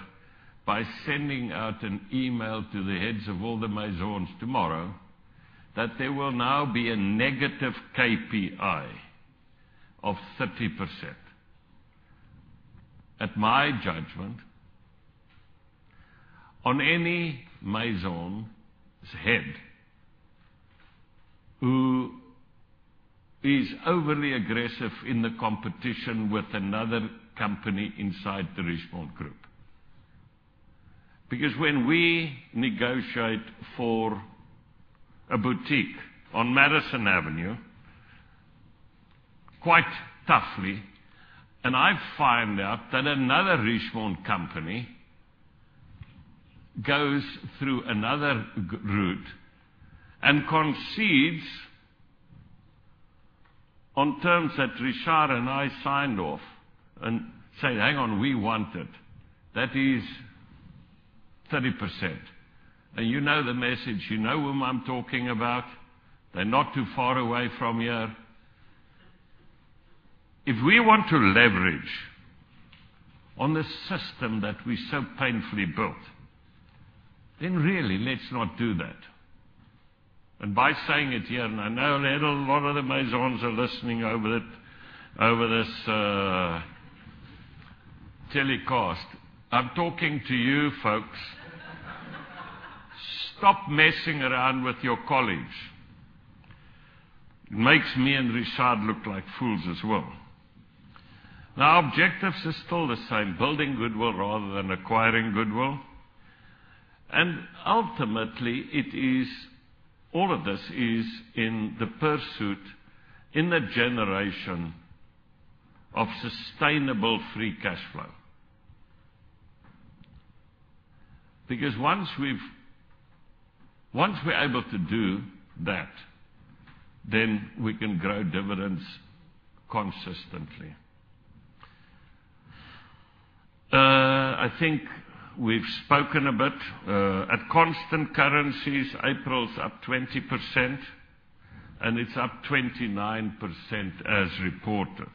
by sending out an email to the heads of all the Maisons tomorrow that there will now be a negative KPI of 30%. At my judgment, on any Maison's head who is overly aggressive in the competition with another company inside the Richemont group. When we negotiate for a boutique on Madison Avenue, quite toughly, and I find out that another Richemont company goes through another route and concedes on terms that Richard and I signed off and say, "Hang on, we want it," that is 30%. You know the message. You know whom I'm talking about. They're not too far away from here. If we want to leverage on the system that we so painfully built, really, let's not do that. By saying it here, and I know a lot of the Maisons are listening over this telecast. I'm talking to you, folks. Stop messing around with your colleagues. It makes me and Richard look like fools as well. Now, our objectives are still the same, building goodwill rather than acquiring goodwill. Ultimately, all of this is in the pursuit, in the generation of sustainable free cash flow. Once we're able to do that, we can grow dividends consistently. I think we've spoken a bit. At constant currencies, April's up 20%, and it's up 29% as reported.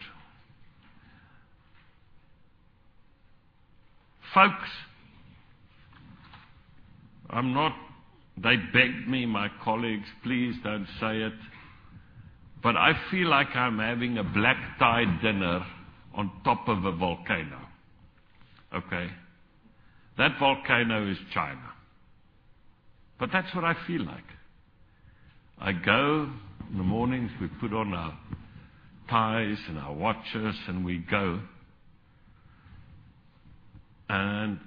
Folks, they begged me, my colleagues, "Please don't say it," but I feel like I'm having a black-tie dinner on top of a volcano. Okay? That volcano is China. That's what I feel like. I go in the mornings, we put on our ties and our watches, and we go.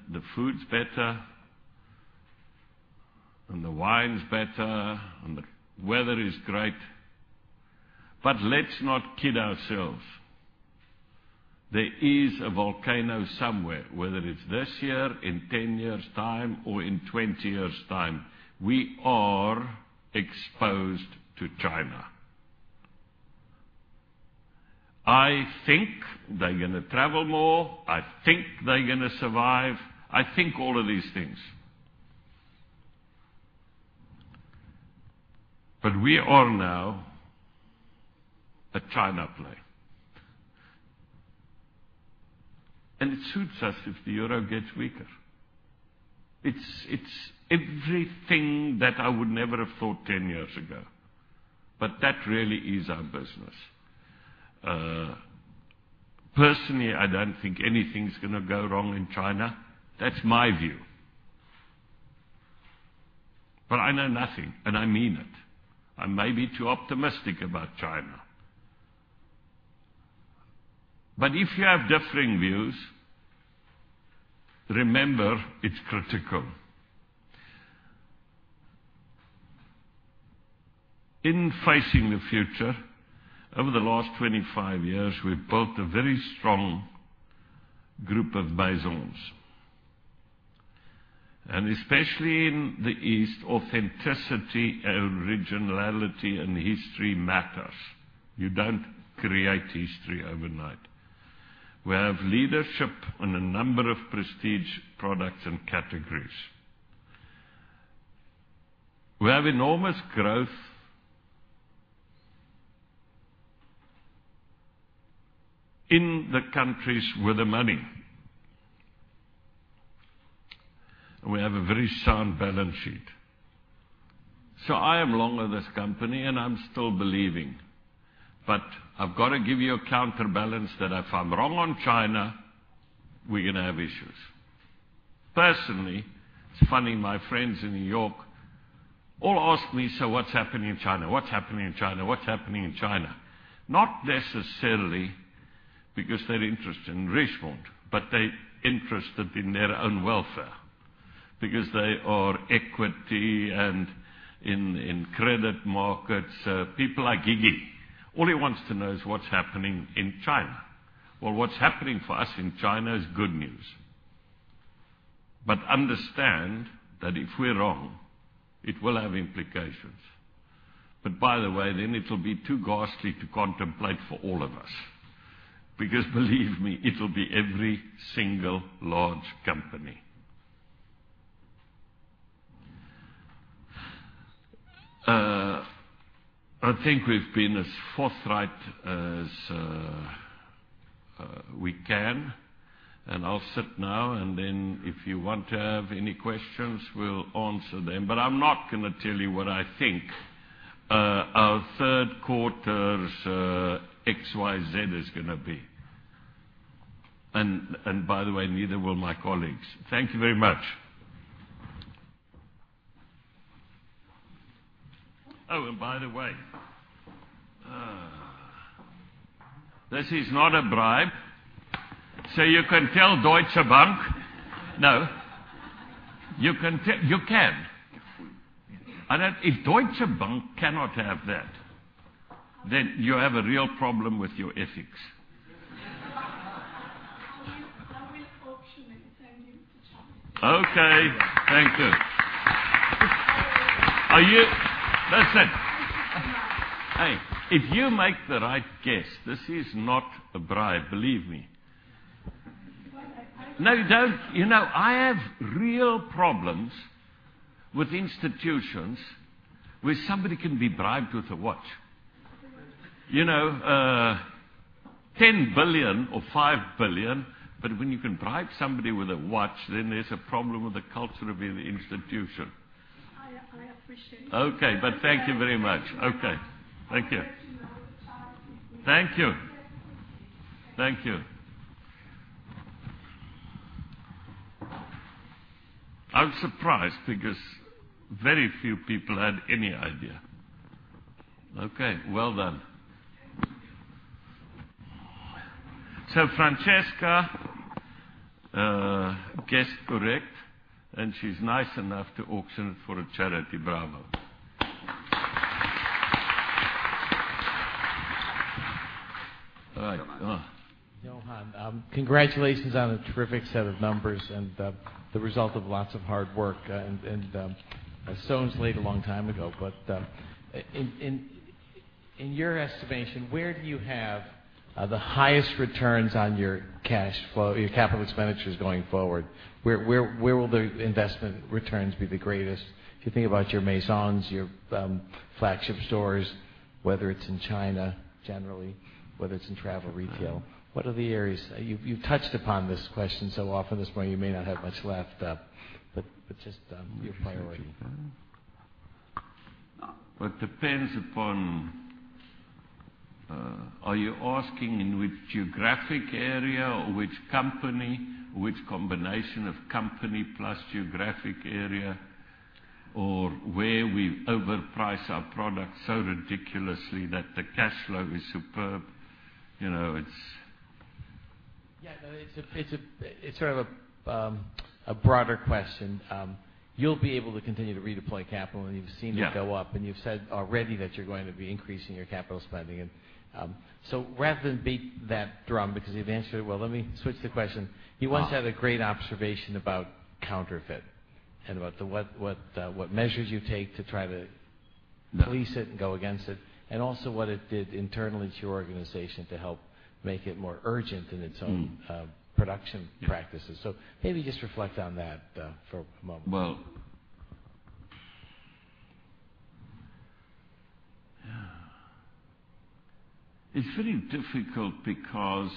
The food's better, and the wine's better, and the weather is great. Let's not kid ourselves. There is a volcano somewhere, whether it's this year, in 10 years' time, or in 20 years' time. We are exposed to China. I think they're going to travel more. I think they're going to survive. I think all of these things. We are now a China play. It suits us if the euro gets weaker. It's everything that I would never have thought 10 years ago. That really is our business. Personally, I don't think anything's going to go wrong in China. That's my view. I know nothing, and I mean it. I may be too optimistic about China. If you have differing views, remember it's critical. In facing the future, over the last 25 years, we've built a very strong group of Maisons. Especially in the East, authenticity, originality, and history matters. You don't create history overnight. We have leadership on a number of prestige products and categories. We have enormous growth in the countries with the money. We have a very sound balance sheet. I am long with this company, and I'm still believing. I've got to give you a counterbalance that if I'm wrong on China, we're going to have issues. Personally, it's funny, my friends in New York all ask me, "What's happening in China? What's happening in China? What's happening in China?" Not necessarily because they're interested in Richemont, but they're interested in their own welfare because they are equity and in credit markets. People like Iggy, all he wants to know is what's happening in China. What's happening for us in China is good news. Understand that if we're wrong, it will have implications. By the way, it'll be too ghastly to contemplate for all of us, because believe me, it'll be every single large company. I think we've been as forthright as we can, and I'll sit now, and then if you want to have any questions, we'll answer them. I'm not going to tell you what I think our third quarter's XYZ is going to be. By the way, neither will my colleagues. Thank you very much. By the way, this is not a bribe. You can tell Deutsche Bank. No. You can. If Deutsche Bank cannot have that, you have a real problem with your ethics. I will auction it. Thank you. Okay. Thank you. Listen. Hey, if you make the right guess, this is not a bribe, believe me. You know, I have real problems with institutions where somebody can be bribed with a watch. 10 billion or 5 billion, when you can bribe somebody with a watch, there's a problem with the culture of your institution. I appreciate it. Okay. Thank you very much. Okay. Thank you. Thank you. Thank you. I was surprised because very few people had any idea. Okay. Well done. Thank you. Francesca guessed correct, and she's nice enough to auction it for a charity. Bravo. All right. Go on. Johann, congratulations on a terrific set of numbers and the result of lots of hard work and stones laid a long time ago. In your estimation, where do you have the highest returns on your capital expenditures going forward? Where will the investment returns be the greatest? If you think about your Maisons, your flagship stores, whether it's in China, generally, whether it's in travel retail, what are the areas? You've touched upon this question so often this morning, you may not have much left, but just your priority. It depends upon, are you asking in which geographic area or which company, which combination of company plus geographic area, or where we overprice our product so ridiculously that the cash flow is superb? It's sort of a broader question. You'll be able to continue to redeploy capital, and you've seen it go up, and you've said already that you're going to be increasing your capital spending. Rather than beat that drum because you've answered it well, let me switch the question. You once had a great observation about counterfeit and about what measures you take to try to police it and go against it, and also what it did internally to your organization to help make it more urgent in its own production practices. Maybe just reflect on that for a moment. It's very difficult because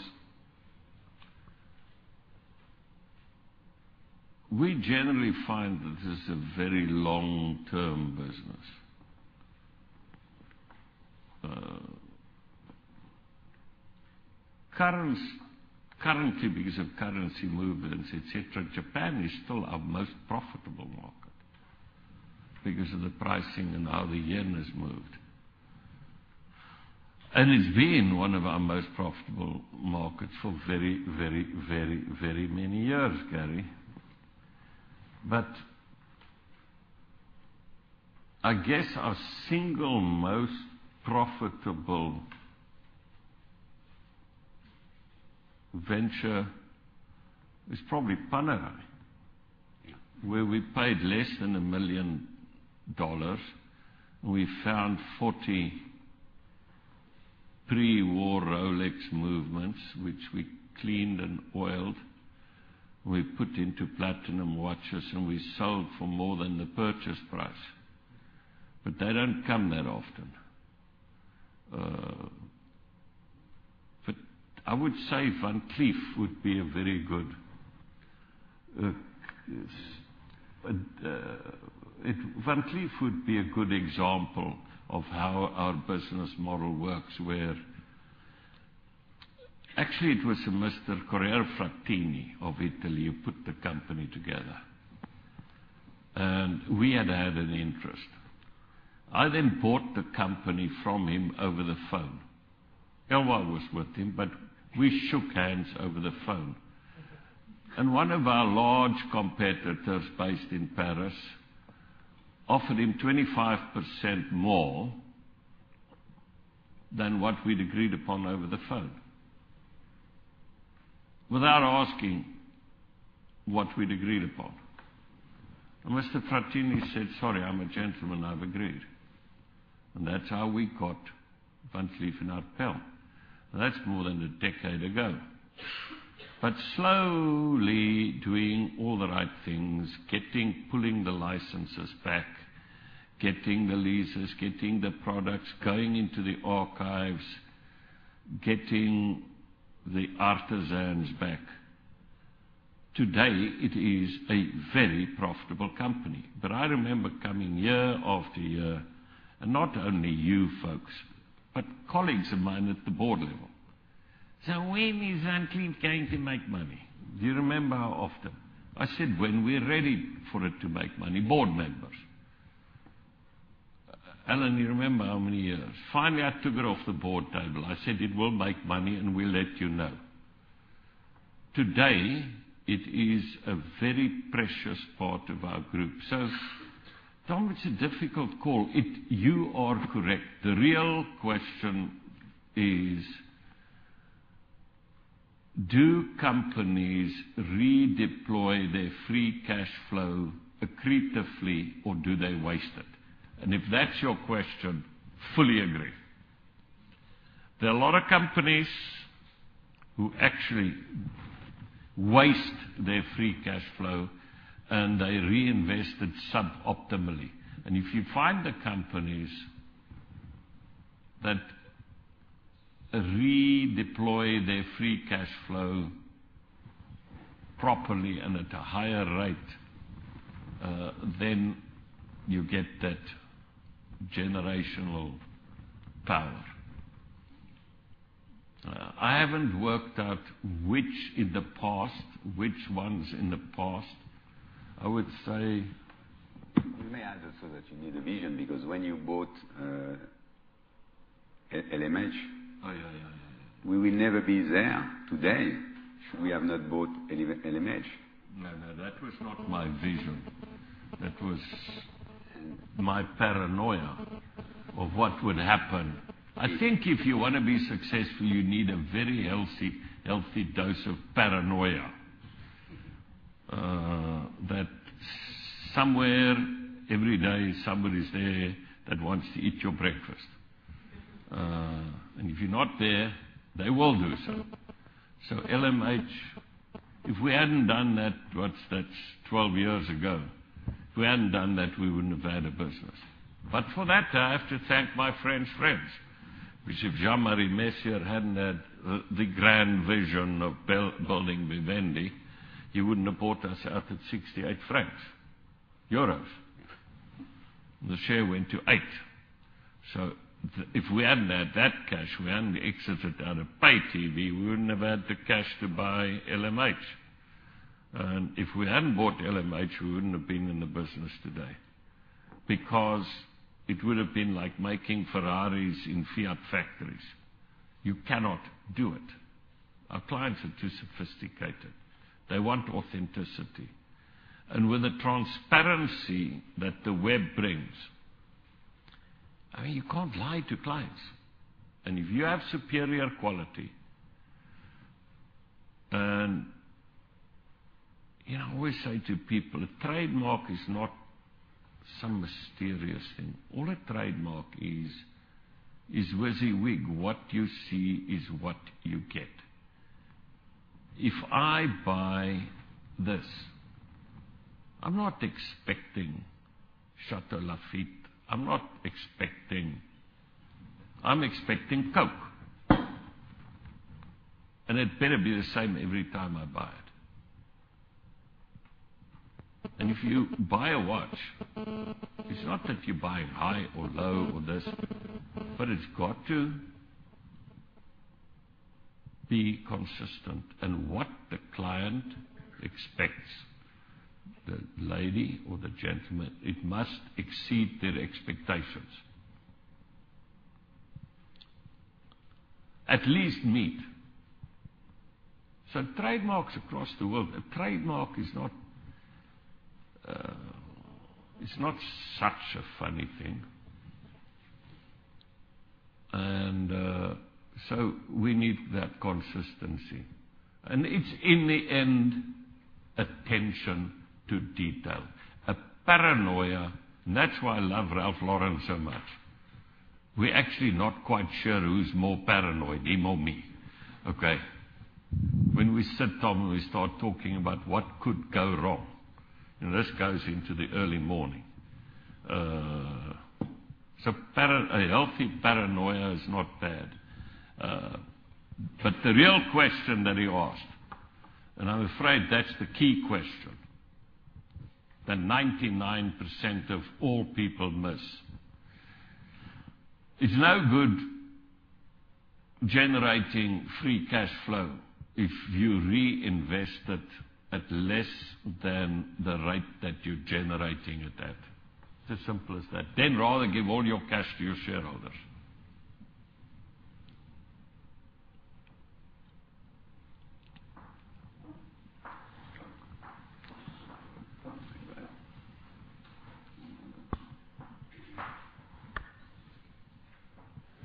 we generally find that this is a very long-term business. Currently, because of currency movements, et cetera, Japan is still our most profitable market because of the pricing and how the JPY has moved. It's been one of our most profitable markets for very, very, very, very many years, Gary. I guess our single most profitable venture is probably Panerai, where we paid less than $1 million. We found 40 pre-war Rolex movements, which we cleaned and oiled. We put into platinum watches, and we sold for more than the purchase price. They don't come that often. I would say Van Cleef would be a very good example of how our business model works where Actually, it was a Mr. Corrado Frattini of Italy who put the company together. We had had an interest. I bought the company from him over the phone. Ewald was with him, but we shook hands over the phone. One of our large competitors based in Paris offered him 25% more than what we'd agreed upon over the phone, without asking what we'd agreed upon. Mr. Frattini said, "Sorry, I'm a gentleman. I've agreed." That's how we got Van Cleef & Arpels. That's more than a decade ago. Slowly doing all the right things, pulling the licenses back, getting the leases, getting the products, going into the archives, getting the artisans back Today, it is a very profitable company. I remember coming year after year, and not only you folks, but colleagues of mine at the board level. "When is Van Cleef going to make money?" Do you remember how often? I said, "When we're ready for it to make money," board members. Alan, you remember how many years. Finally, I took it off the board table. I said, "It will make money, and we'll let you know." Today, it is a very precious part of our group. Tom, it's a difficult call. You are correct. The real question is, do companies redeploy their free cash flow accretively or do they waste it? If that's your question, fully agree. There are a lot of companies who actually waste their free cash flow and they reinvest it sub-optimally. If you find the companies that redeploy their free cash flow properly and at a higher rate, then you get that generational power. I haven't worked out which ones in the past. You may add also that you need a vision because when you bought LMH Oh, yeah we will never be there today should we have not bought LMH. No, that was not my vision. That was my paranoia of what would happen. I think if you want to be successful, you need a very healthy dose of paranoia. That somewhere every day, somebody's there that wants to eat your breakfast. If you're not there, they will do so. LMH, if we hadn't done that, what's that, 12 years ago, if we hadn't done that, we wouldn't have had a business. For that, I have to thank my French friends, because if Jean-Marie Messier hadn't had the grand vision of building Vivendi, he wouldn't have bought us out at 68 francs, euros. The share went to eight. If we hadn't had that cash, we hadn't exited out of pay TV, we wouldn't have had the cash to buy LMH. If we hadn't bought LMH, we wouldn't have been in the business today because it would've been like making Ferraris in Fiat factories. You cannot do it. Our clients are too sophisticated. They want authenticity. With the transparency that the web brings, you can't lie to clients. If you have superior quality, I always say to people, a trademark is not some mysterious thing. All a trademark is WYSIWYG, what you see is what you get. If I buy this, I'm not expecting Château Lafite. I'm expecting Coke. It better be the same every time I buy it. If you buy a watch, it's not that you're buying high or low or this, but it's got to be consistent. What the client expects, the lady or the gentleman, it must exceed their expectations. At least meet. Trademarks across the world, a trademark it's not such a funny thing. We need that consistency. It's in the end, attention to detail. A paranoia, that's why I love Ralph Lauren so much. We're actually not quite sure who's more paranoid, him or me, okay? When we sit down and we start talking about what could go wrong, and this goes into the early morning. A healthy paranoia is not bad. The real question that he asked, I'm afraid that's the key question, that 99% of all people miss. It's no good generating free cash flow if you reinvest it at less than the rate that you're generating it at. It's as simple as that. Rather give all your cash to your shareholders.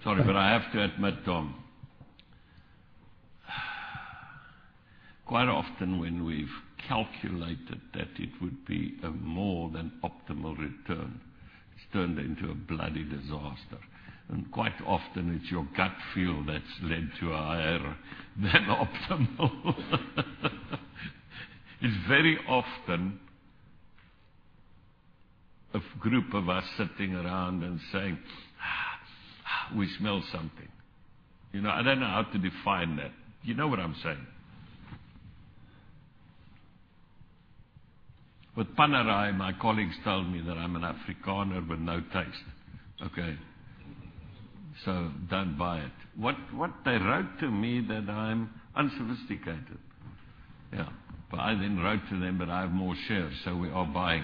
Sorry, I have to admit, Tom, quite often, when we've calculated that it would be a more than optimal return, it's turned into a bloody disaster. Quite often it's your gut feel that's led to a higher than optimal. It's very often a group of us sitting around and saying, "We smell something." I don't know how to define that. You know what I'm saying? With Panerai, my colleagues told me that I'm an Afrikaner with no taste. Okay? Don't buy it. What they wrote to me, that I'm unsophisticated. Yeah. I then wrote to them that I have more shares, we are buying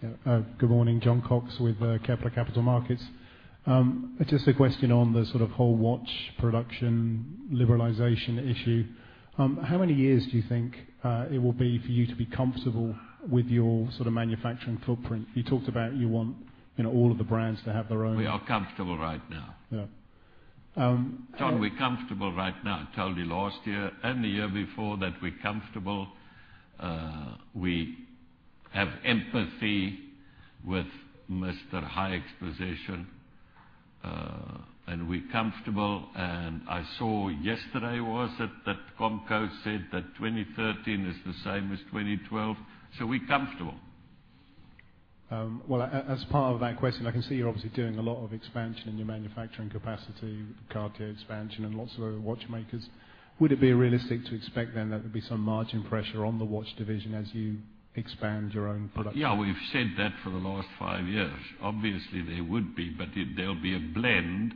it. Good morning. John Cox with Kepler Capital Markets. Just a question on the whole watch production liberalization issue. How many years do you think it will be for you to be comfortable with your manufacturing footprint? You talked about you want all of the brands to have their. We are comfortable right now. Yeah. John, we're comfortable right now. Told you last year and the year before that we're comfortable. We have empathy with Mr. Hayek's position, and we're comfortable. I saw yesterday was it, that COMCO said that 2013 is the same as 2012. We're comfortable. Well, as part of that question, I can see you're obviously doing a lot of expansion in your manufacturing capacity, Cartier expansion and lots of other watchmakers. Would it be realistic to expect then that there'd be some margin pressure on the watch division as you expand your own production? Yeah, we've said that for the last five years. Obviously, there would be, but there'll be a blend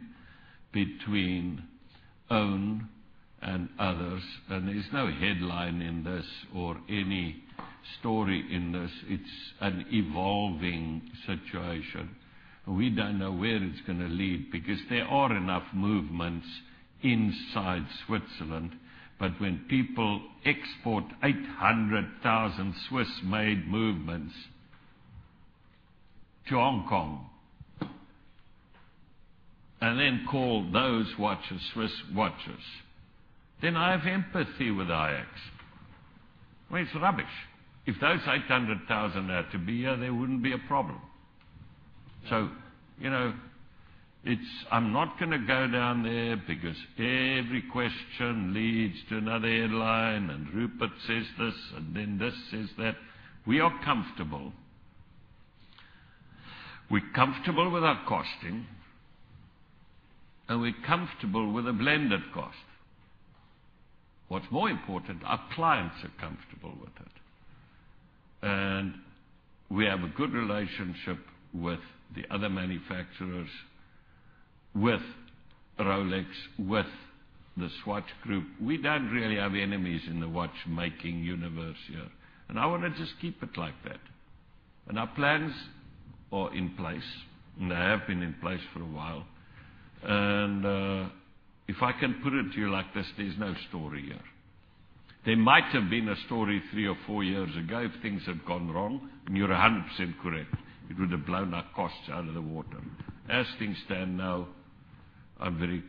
between own and others. There's no headline in this or any story in this. It's an evolving situation. We don't know where it's going to lead because there are enough movements inside Switzerland. When people export 800,000 Swiss-made movements to Hong Kong and then call those watches Swiss watches, then I have empathy with Nicolas Hayek's. I mean, it's rubbish. If those 800,000 had to be here, there wouldn't be a problem. I'm not going to go down there because every question leads to another headline and Johann Rupert says this, and then this says that. We are comfortable. We're comfortable with our costing, and we're comfortable with a blended cost. What's more important, our clients are comfortable with it. We have a good relationship with the other manufacturers, with Rolex, with the Swatch Group. We don't really have enemies in the watchmaking universe here, and I want to just keep it like that. Our plans are in place, and they have been in place for a while. If I can put it to you like this, there's no story here. There might have been a story three or four years ago if things had gone wrong, and you're 100% correct. It would have blown our costs out of the water. As things stand now, I'm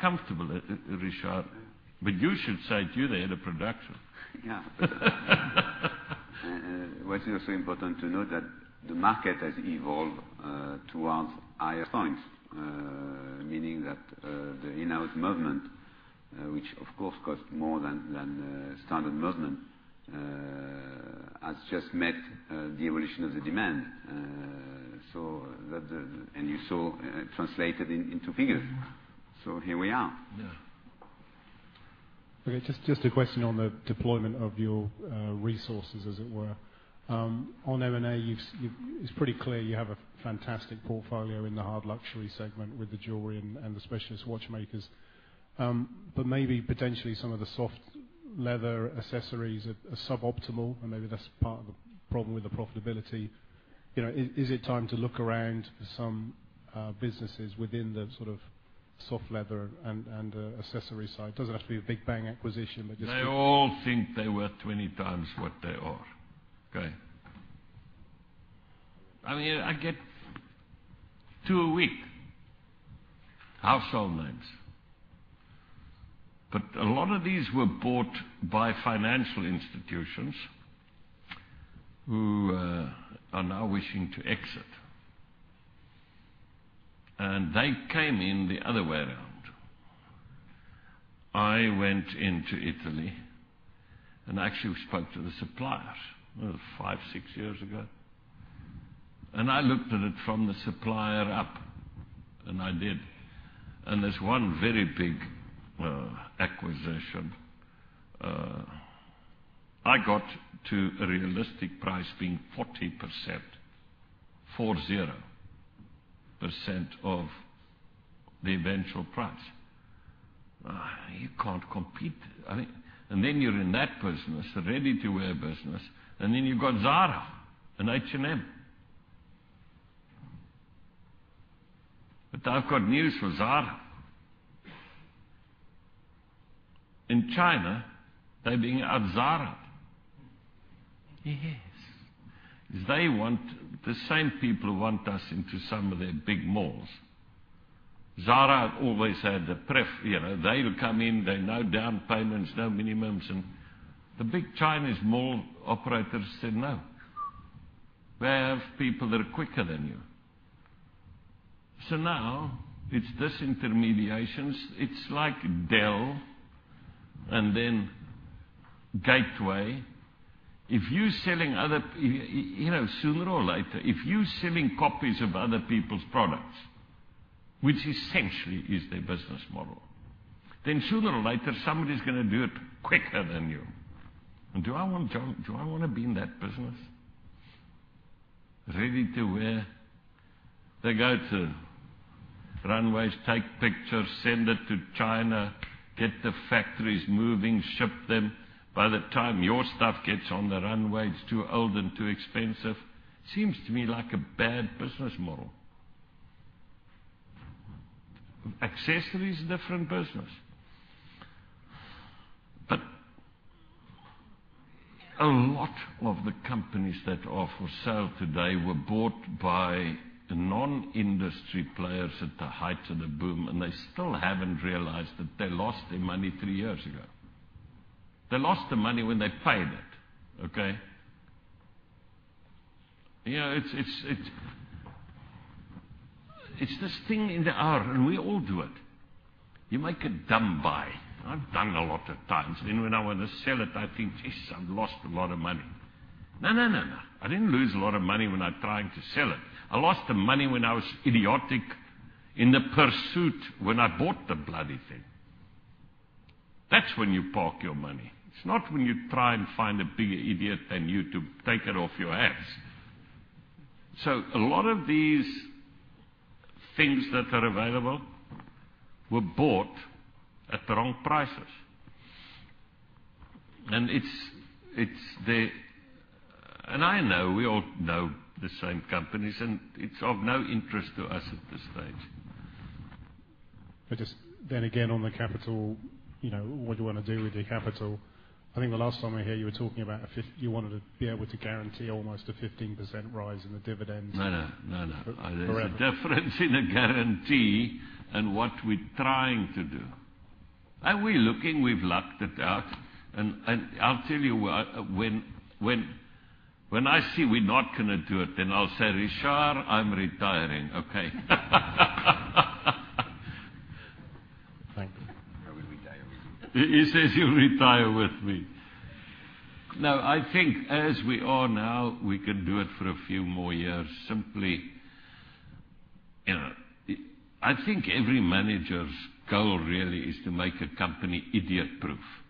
comfortable, Richard. You should say, too, the head of production. Yeah. What is also important to note that the market has evolved towards higher points, meaning that the in-house movement, which of course, cost more than standard movement, has just met the evolution of the demand. You saw it translated into figures. Here we are. Yeah. Okay. Just a question on the deployment of your resources, as it were. On M&A, it's pretty clear you have a fantastic portfolio in the hard luxury segment with the jewelry and the specialist watchmakers. Maybe potentially some of the soft leather accessories are suboptimal, and maybe that's part of the problem with the profitability. Is it time to look around for some businesses within the soft leather and accessory side? Doesn't have to be a big bang acquisition. They all think they're worth 20 times what they are. Okay? I get two a week, household names. A lot of these were bought by financial institutions who are now wishing to exit. They came in the other way around. I went into Italy and actually spoke to the suppliers, five, six years ago. I looked at it from the supplier up, and I did. There's one very big acquisition. I got to a realistic price being 40%, four zero percent of the eventual price. You can't compete. Then you're in that business, the ready-to-wear business, and then you've got Zara and H&M. I've got news for Zara. In China, they're bringing out Zara. Yes. The same people who want us into some of their big malls. Zara have always had the pref. They'll come in, they're no down payments, no minimums. The big Chinese mall operators said no. We have people that are quicker than you. Now it's disintermediation. It's like Dell and then Gateway. Sooner or later, if you're selling copies of other people's products, which essentially is their business model, then sooner or later somebody's going to do it quicker than you. Do I want to be in that business? Ready to wear. They go to runways, take pictures, send it to China, get the factories moving, ship them. By the time your stuff gets on the runway, it's too old and too expensive. Seems to me like a bad business model. Accessories, different business. A lot of the companies that are for sale today were bought by non-industry players at the height of the boom. They still haven't realized that they lost their money three years ago. They lost the money when they paid it. Okay? It's this thing in the air. We all do it. You make a dumb buy. I've done a lot of times. When I want to sell it, I think, "Jeez, I've lost a lot of money." No. I didn't lose a lot of money when I trying to sell it. I lost the money when I was idiotic in the pursuit when I bought the bloody thing. That's when you park your money. It's not when you try and find a bigger idiot than you to take it off your hands. A lot of these things that are available were bought at the wrong prices. I know we all know the same companies. It's of no interest to us at this stage. On the capital, what do you want to do with your capital? I think the last time I hear you were talking about you wanted to be able to guarantee almost a 15% rise in the dividends. No. Forever. There's a difference in a guarantee and what we're trying to do. We're looking, we've lucked it out. I'll tell you what, when I see we're not going to do it, then I'll say, "Richard, I'm retiring," okay? Thank you. I will retire with you. He says he'll retire with me. I think as we are now, we can do it for a few more years. Simply, I think every manager's goal really is to make a company idiot-proof,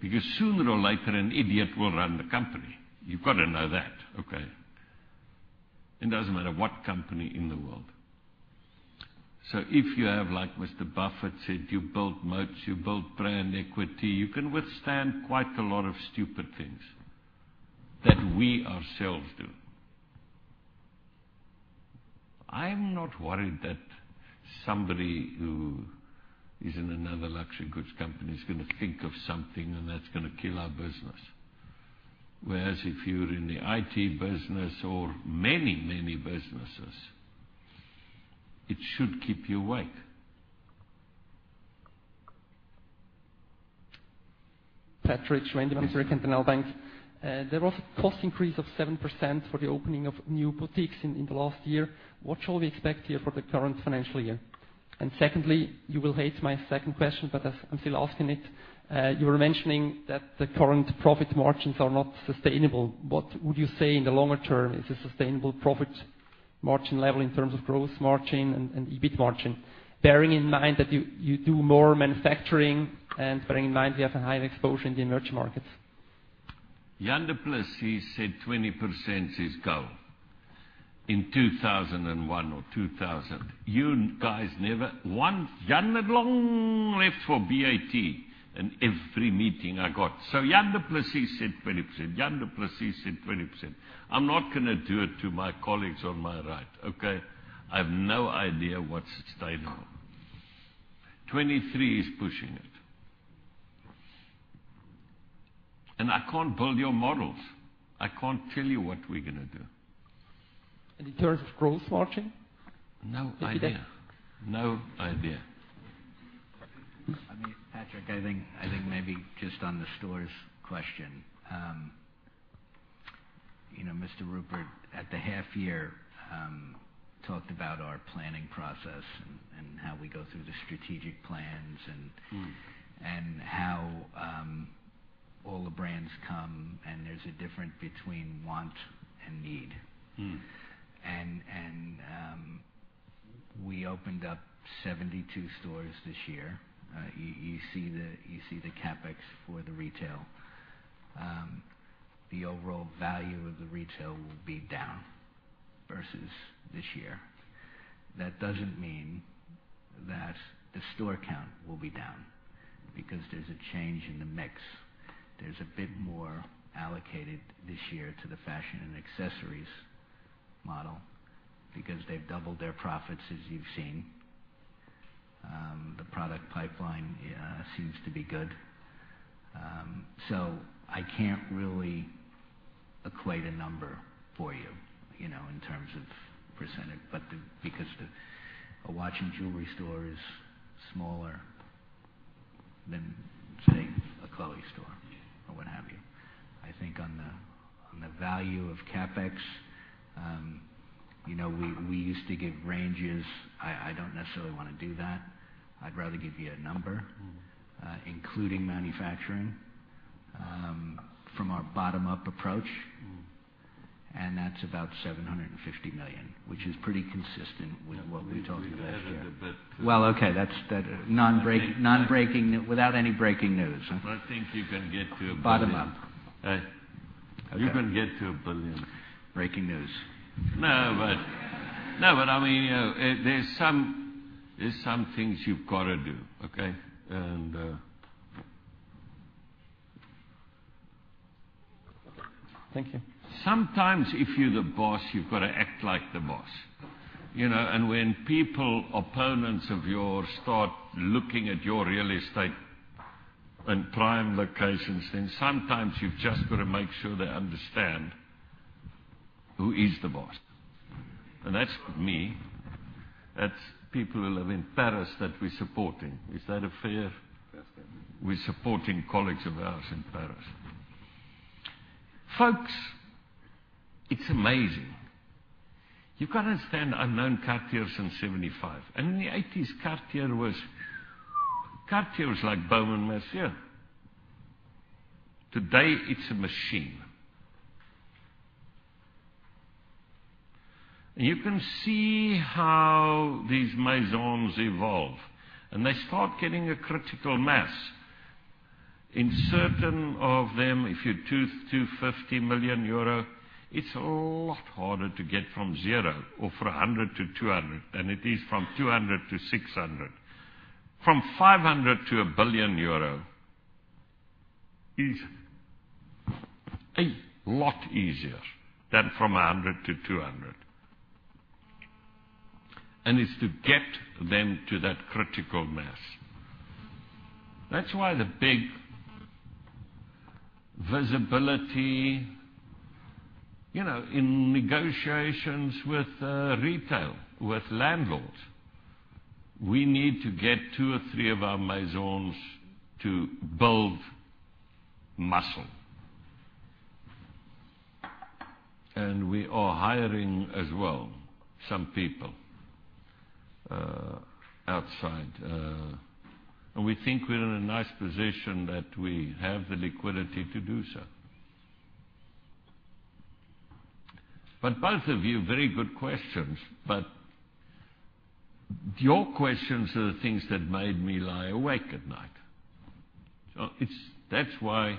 because sooner or later, an idiot will run the company. You've got to know that, okay? It doesn't matter what company in the world. If you have, like Mr. Buffett said, you build moats, you build brand equity, you can withstand quite a lot of stupid things that we ourselves do. I'm not worried that somebody who is in another luxury goods company is going to think of something and that's going to kill our business. Whereas if you're in the IT business or many, many businesses, it should keep you awake. Patrik Schwendimann, the Bank. There was a cost increase of 7% for the opening of new boutiques in the last year. What shall we expect here for the current financial year? Secondly, you will hate my second question, as I'm still asking it, you were mentioning that the current profit margins are not sustainable. What would you say in the longer term is a sustainable profit margin level in terms of gross margin and EBIT margin, bearing in mind that you do more manufacturing and bearing in mind you have a high exposure in the emerging markets? Jan du Plessis said 20% is goal in 2001 or 2000. Jan had long left for BAT in every meeting I got. Jan du Plessis said 20%. I'm not going to do it to my colleagues on my right, okay? I have no idea what's sustainable. 23 is pushing it. I can't build your models. I can't tell you what we're going to do. In terms of gross margin? No idea. 50%? No idea. I mean, Patrik, I think maybe just on the stores question. Mr. Rupert at the half year, talked about our planning process and how we go through the strategic plans. How all the brands come and there's a difference between want and need. We opened up 72 stores this year. You see the CapEx for the retail. The overall value of the retail will be down versus this year. That doesn't mean that the store count will be down because there's a change in the mix. There's a bit more allocated this year to the fashion and accessories model because they've doubled their profits, as you've seen. The product pipeline seems to be good. I can't really equate a number for you, in terms of percentage. Because a watch and jewelry store is smaller than, say, a Chloé store. I think on the value of CapEx, we used to give ranges. I don't necessarily want to do that. I'd rather give you a number, including manufacturing from our bottom-up approach, that's about 750 million, which is pretty consistent with what we told you last year. We have it. Well, okay. That's non-breaking, without any breaking news. I think you can get to 1 billion. Bottom-up. You can get to 1 billion. Breaking news. No, but there's some things you've got to do, okay? Thank you. Sometimes if you're the boss, you've got to act like the boss. When people, opponents of yours, start looking at your real estate and prime locations, sometimes you've just got to make sure they understand who is the boss. That's me. That's people who live in Paris that we're supporting. Is that a fair- Yes. We're supporting colleagues of ours in Paris. Folks, it's amazing. You've got to understand, I've known Cartier since 1975, and in the 1980s, Cartier was like Baume & Mercier. Today, it's a machine. You can see how these Maisons evolve, and they start getting a critical mass. In certain of them, if you're 250 million euro, it's a lot harder to get from 0 or from 100 to 200 than it is from 200 to 600. From 500 to 1 billion euro is a lot easier than from 100 to 200, and it's to get them to that critical mass. That's why the big visibility in negotiations with retail, with landlords, we need to get two or three of our Maisons to build muscle. We are hiring as well, some people outside. We think we're in a nice position that we have the liquidity to do so. Both of you, very good questions, but your questions are the things that made me lie awake at night. That's why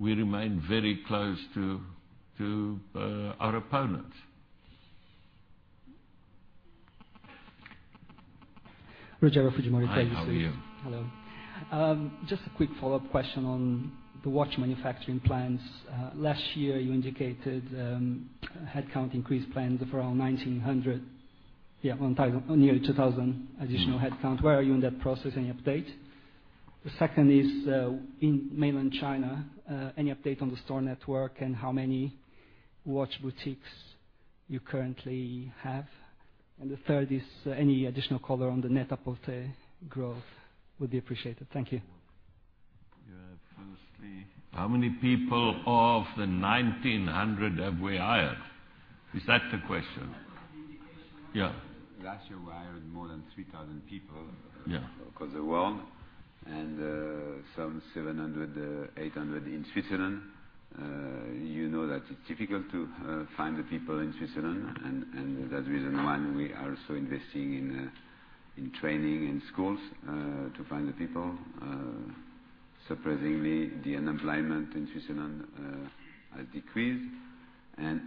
we remain very close to our opponents. Roger from JP Morgan. Hi, how are you? Hello. Just a quick follow-up question on the watch manufacturing plans. Last year, you indicated headcount increase plans of around 1,900. Nearly 2,000 additional headcount. Where are you in that process? Any update? The second is, in mainland China, any update on the store network and how many watch boutiques you currently have? The third is, any additional color on the Net-a-Porter growth would be appreciated. Thank you. Yeah. Firstly. How many people of the 1,900 have we hired? Is that the question? That was the indication last year. Yeah. Last year, we hired more than 3,000 people. Yeah across the world, and some 700, 800 in Switzerland. You know that it's difficult to find the people in Switzerland, and that's reason one we are also investing in training and schools to find the people. Surprisingly, the unemployment in Switzerland has decreased, and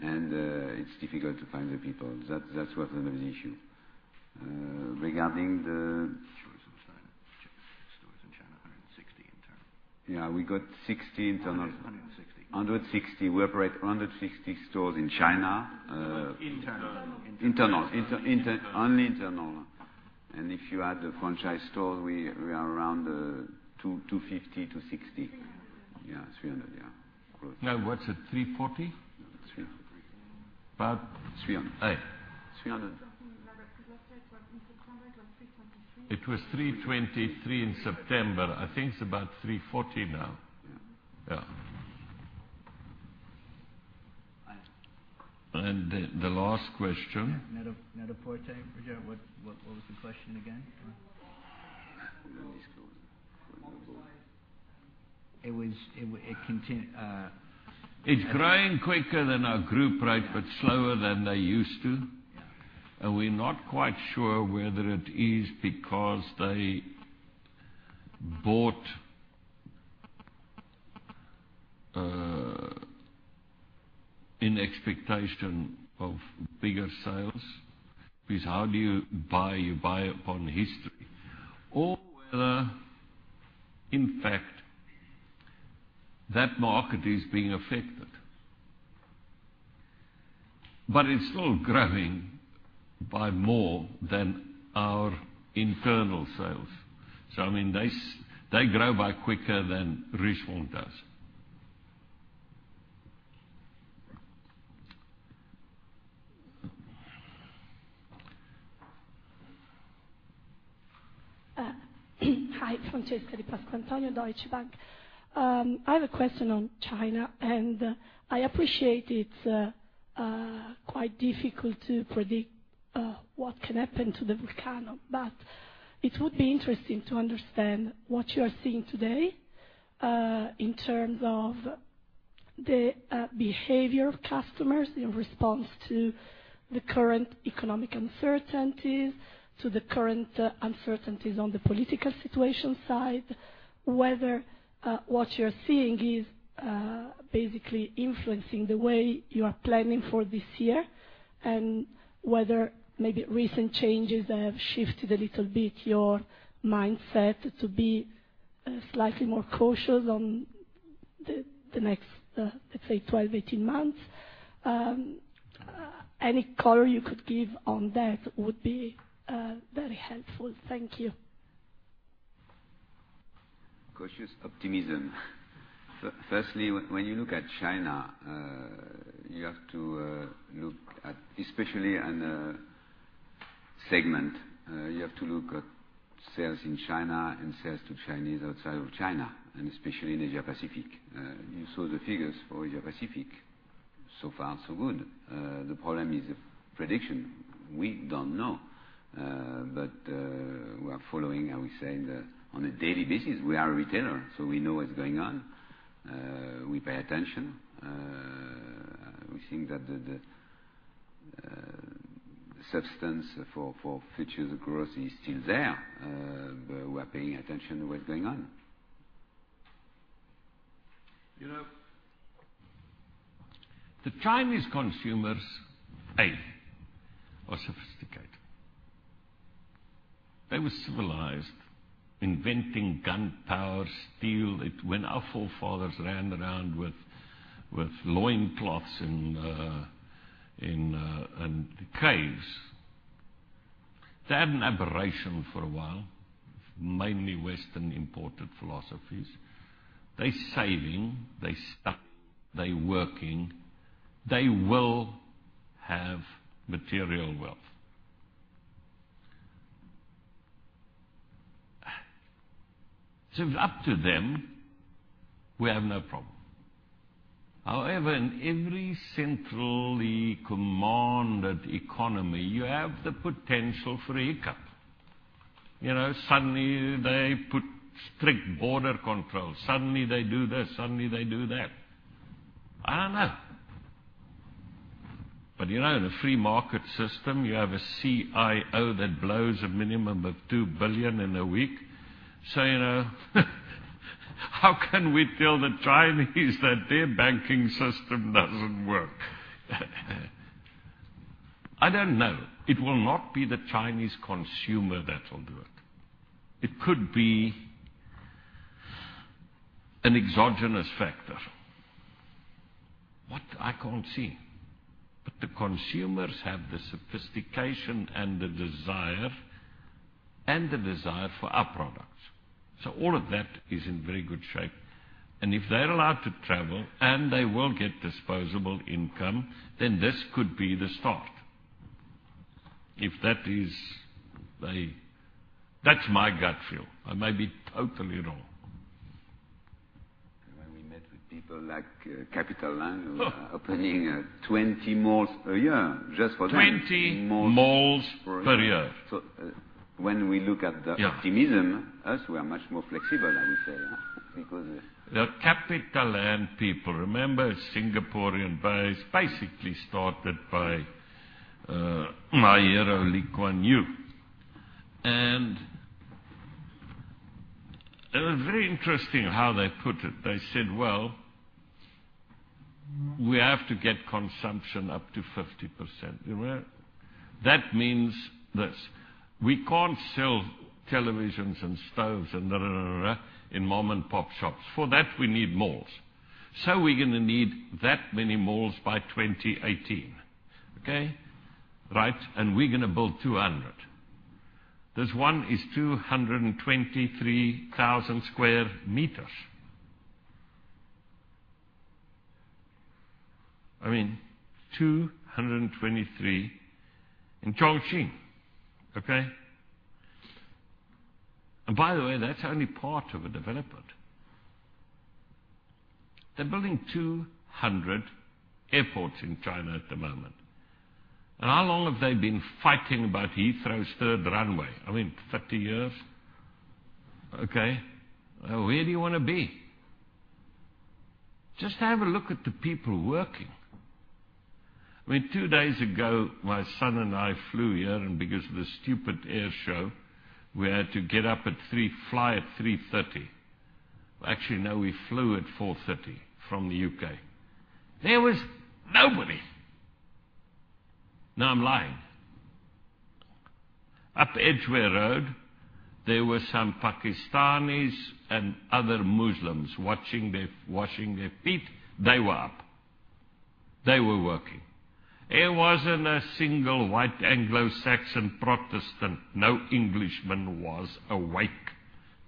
it's difficult to find the people. That was another issue. Stores in China. Stores in China, 160 internal. Yeah, we got 60 internal. 160. 160. We operate 160 stores in China. Internals. Internal. Only internal. If you add the franchise stores, we are around 250, 260. 300. Yeah, 300. Yeah. No, what's it, 340? No, it's 300. About- 300. Hey. 300. Last year it was 320, it was 323. It was 323 in September. I think it's about 340 now. Yeah. Yeah. The last question. Net-a-Porter. Roger, what was the question again? It was. It's growing quicker than our group rate, but slower than they used to. Yeah. We're not quite sure whether it is because they bought in expectation of bigger sales, because how do you buy? You buy upon history. Or whether, in fact, that market is being affected. It's still growing by more than our internal sales. I mean, they grow by quicker than Richemont does. Hi, Francesca Di Pasquantonio, Deutsche Bank. I have a question on China. I appreciate it's quite difficult to predict what can happen to the volcano. It would be interesting to understand what you are seeing today, in terms of the behavior of customers in response to the current economic uncertainties, to the current uncertainties on the political situation side. Whether what you're seeing is basically influencing the way you are planning for this year. Whether maybe recent changes have shifted a little bit your mindset to be slightly more cautious on the next, let's say, 12-18 months. Any color you could give on that would be very helpful. Thank you. Cautious optimism. Firstly, when you look at China, you have to look at, especially in the segment, you have to look at sales in China and sales to Chinese outside of China, especially in Asia-Pacific. You saw the figures for Asia-Pacific. So far, so good. The problem is the prediction. We don't know. We are following, how we say, on a daily basis. We are a retailer. We know what's going on. We pay attention. We think that the substance for future growth is still there. We are paying attention to what's going on. The Chinese consumers, A, are sophisticated. They were civilized, inventing gunpowder, steel, when our forefathers ran around with loincloths in caves. They had an aberration for a while, mainly Western-imported philosophies. They saving, they study, they working. They will have material wealth. If up to them, we have no problem. However, in every centrally commanded economy, you have the potential for a hiccup. Suddenly, they put strict border control. Suddenly, they do this, suddenly they do that. I don't know. In a free market system, you have a CIO that blows a minimum of 2 billion in a week saying, "How can we tell the Chinese that their banking system doesn't work?" I don't know. It will not be the Chinese consumer that will do it. It could be an exogenous factor. What, I can't say. The consumers have the sophistication and the desire for our products. All of that is in very good shape. If they're allowed to travel, they will get disposable income. This could be the start. That's my gut feel. I may be totally wrong. When we met with people like CapitaLand, who are opening 20 malls a year, just for that. 20 malls per year. When we look at the. Yeah optimism, us, we are much more flexible, I would say, because. The CapitaLand people, remember Singaporean buyers basically started by my hero, Lee Kuan Yew. It was very interesting how they put it. They said, "Well, we have to get consumption up to 50%." You know what that means? This. We can't sell televisions and stoves and da, da in mom-and-pop shops. For that, we need malls. We're going to need that many malls by 2018. Okay? Right. We're going to build 200. This one is 223,000 sq m. I mean, 223 in Chongqing. Okay? By the way, that's only part of a development. They're building 200 airports in China at the moment. How long have they been fighting about Heathrow's third runway? I mean, 50 years. Okay. Where do you want to be? Just have a look at the people working. Two days ago, my son and I flew here, because of the stupid air show, we had to get up at 3:00 A.M., fly at 3:30 A.M. Well, actually, no, we flew at 4:30 A.M. from the U.K. There was nobody. No, I'm lying. Up Edgware Road, there were some Pakistanis and other Muslims washing their feet. They were up. They were working. There wasn't a single white Anglo-Saxon Protestant, no Englishman was awake.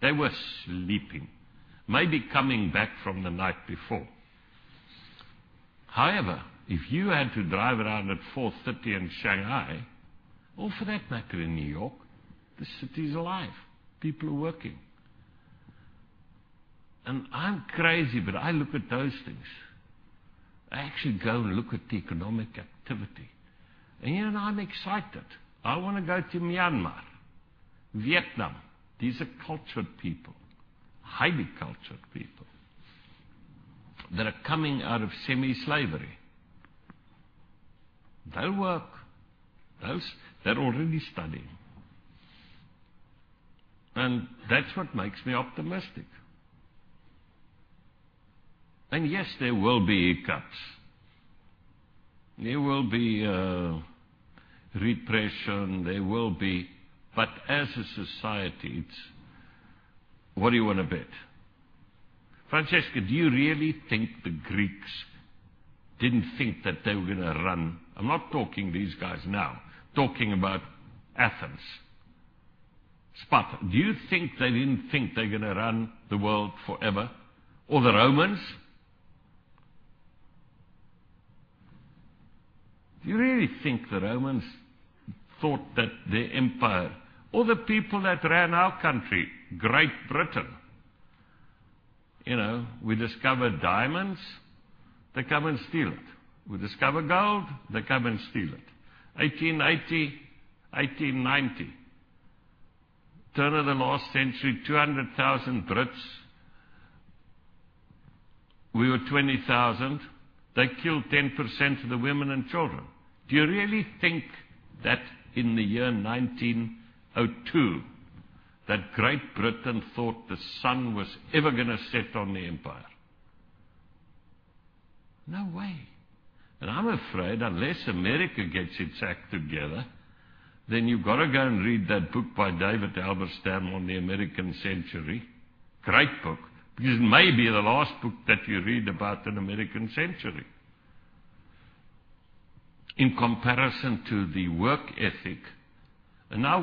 They were sleeping. Maybe coming back from the night before. However, if you had to drive around at 4:30 A.M. in Shanghai, or for that matter, in New York, the city is alive. People are working. I'm crazy, but I look at those things. I actually go and look at the economic activity. I'm excited. I want to go to Myanmar, Vietnam. These are cultured people, highly cultured people that are coming out of semi-slavery. They'll work. They're already studying. That's what makes me optimistic. Yes, there will be hiccups. There will be repression. As a society, what do you want to bet? Francesca, do you really think the Greeks didn't think that they were going to run-- I'm not talking these guys now, talking about Athens, Sparta. Do you think they didn't think they're going to run the world forever? Or the Romans? Do you really think the Romans thought that their empire, or the people that ran our country, Great Britain. We discover diamonds, they come and steal it. We discover gold, they come and steal it. 1880, 1890, turn of the last century, 200,000 Brits, we were 20,000. They killed 10% of the women and children. Do you really think that in the year 1902, that Great Britain thought the sun was ever going to set on the empire? No way. I'm afraid, unless America gets its act together, you've got to go and read that book by David Halberstam on "The American Century." Great book. It may be the last book that you read about an American century. In comparison to the work ethic,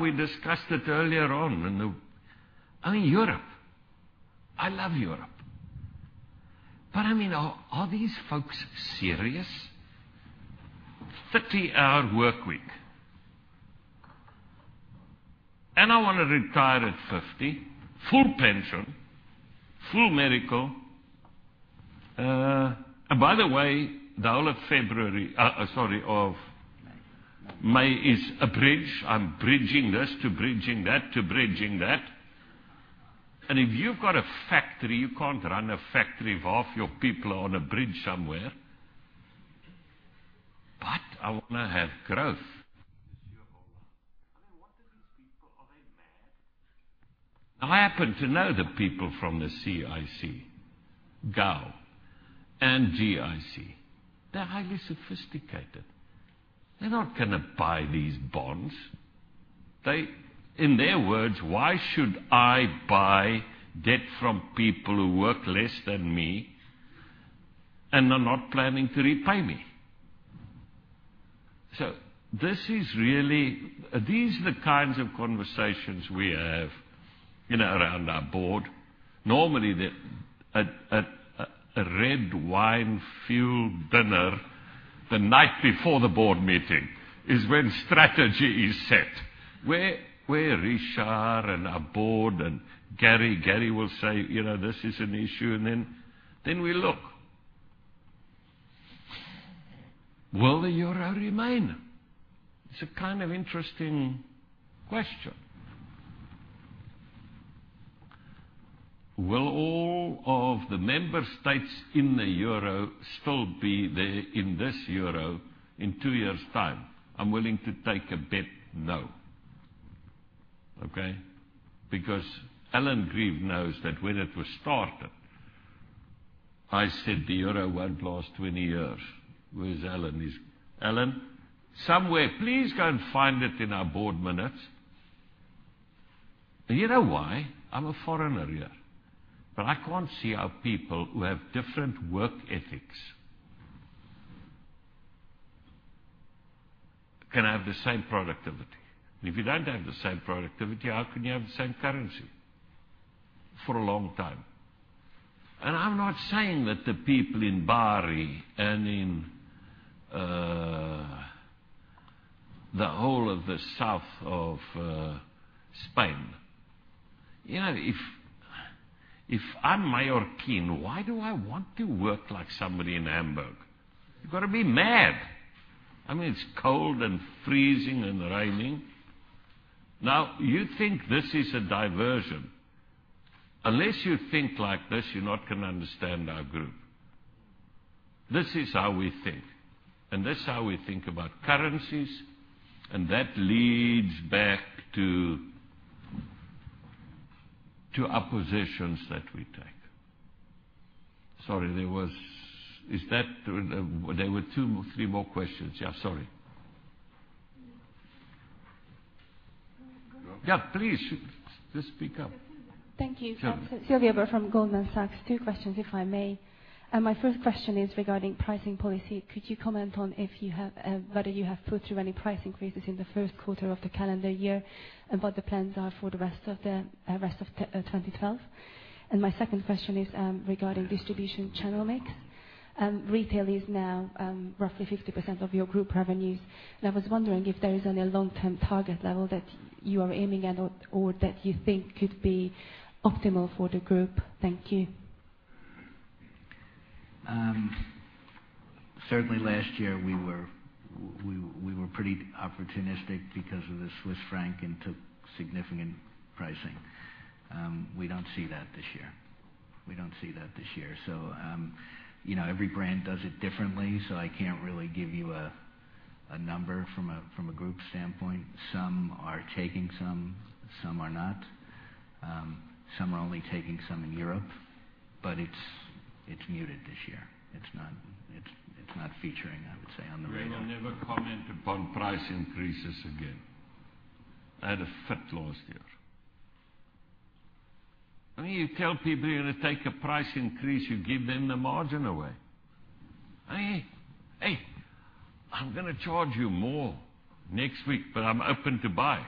we discussed it earlier on in the Europe. I love Europe. Are these folks serious? 30-hour work week. I want to retire at 50, full pension, full medical. By the way, the whole of February, sorry, of- May May is a bridge. I'm bridging this to bridging that, to bridging that. If you've got a factory, you can't run a factory if half your people are on a bridge somewhere. I want to have growth. Sure. I mean, what are these people? Are they mad? I happen to know the people from the CIC, GAO, and GIC. They're highly sophisticated. They're not going to buy these bonds. In their words, "Why should I buy debt from people who work less than me and are not planning to repay me?" These are the kinds of conversations we have around our board. Normally, at a red wine-filled dinner the night before the board meeting is when strategy is set, where Richard and our board and Gary. Gary will say, "This is an issue," and then we look. Will the euro remain? It's a kind of interesting question. Will all of the member states in the euro still be there in this euro in 2 years' time? I'm willing to take a bet, no. Okay? Because Alan Grieve knows that when it was started, I said the euro won't last 20 years. Where's Alan? Is Alan? Somewhere. Please go and find it in our board minutes. You know why? I'm a foreigner here, but I can't see how people who have different work ethics can have the same productivity. If you don't have the same productivity, how can you have the same currency for a long time? I'm not saying that the people in Bari and in the whole of the south of Spain. If I'm Majorcan, why do I want to work like somebody in Hamburg? You've got to be mad. It's cold and freezing and raining. You think this is a diversion. Unless you think like this, you're not going to understand our group. This is how we think, and this is how we think about currencies, and that leads back to oppositions that we take. Sorry, there were 2, 3 more questions. Yeah, sorry. Go. Yeah, please. Just speak up. Thank you. Sure. Celine Bert from Goldman Sachs. 2 questions, if I may. My first question is regarding pricing policy. Could you comment on whether you have put through any price increases in the 1st quarter of the calendar year, what the plans are for the rest of 2012? My second question is regarding distribution channel mix. Retail is now roughly 50% of your group revenues. I was wondering if there is any long-term target level that you are aiming at or that you think could be optimal for the group. Thank you. Certainly last year, we were pretty opportunistic because of the Swiss franc and took significant pricing. We don't see that this year. Every brand does it differently, so I can't really give you a number from a group standpoint. Some are taking some are not. Some are only taking some in Europe. It's muted this year. It's not featuring, I would say, on the radar. We will never comment upon price increases again. I had a fit last year. When you tell people you're going to take a price increase, you give them the margin away. Hey, I'm going to charge you more next week, but I'm open to buy.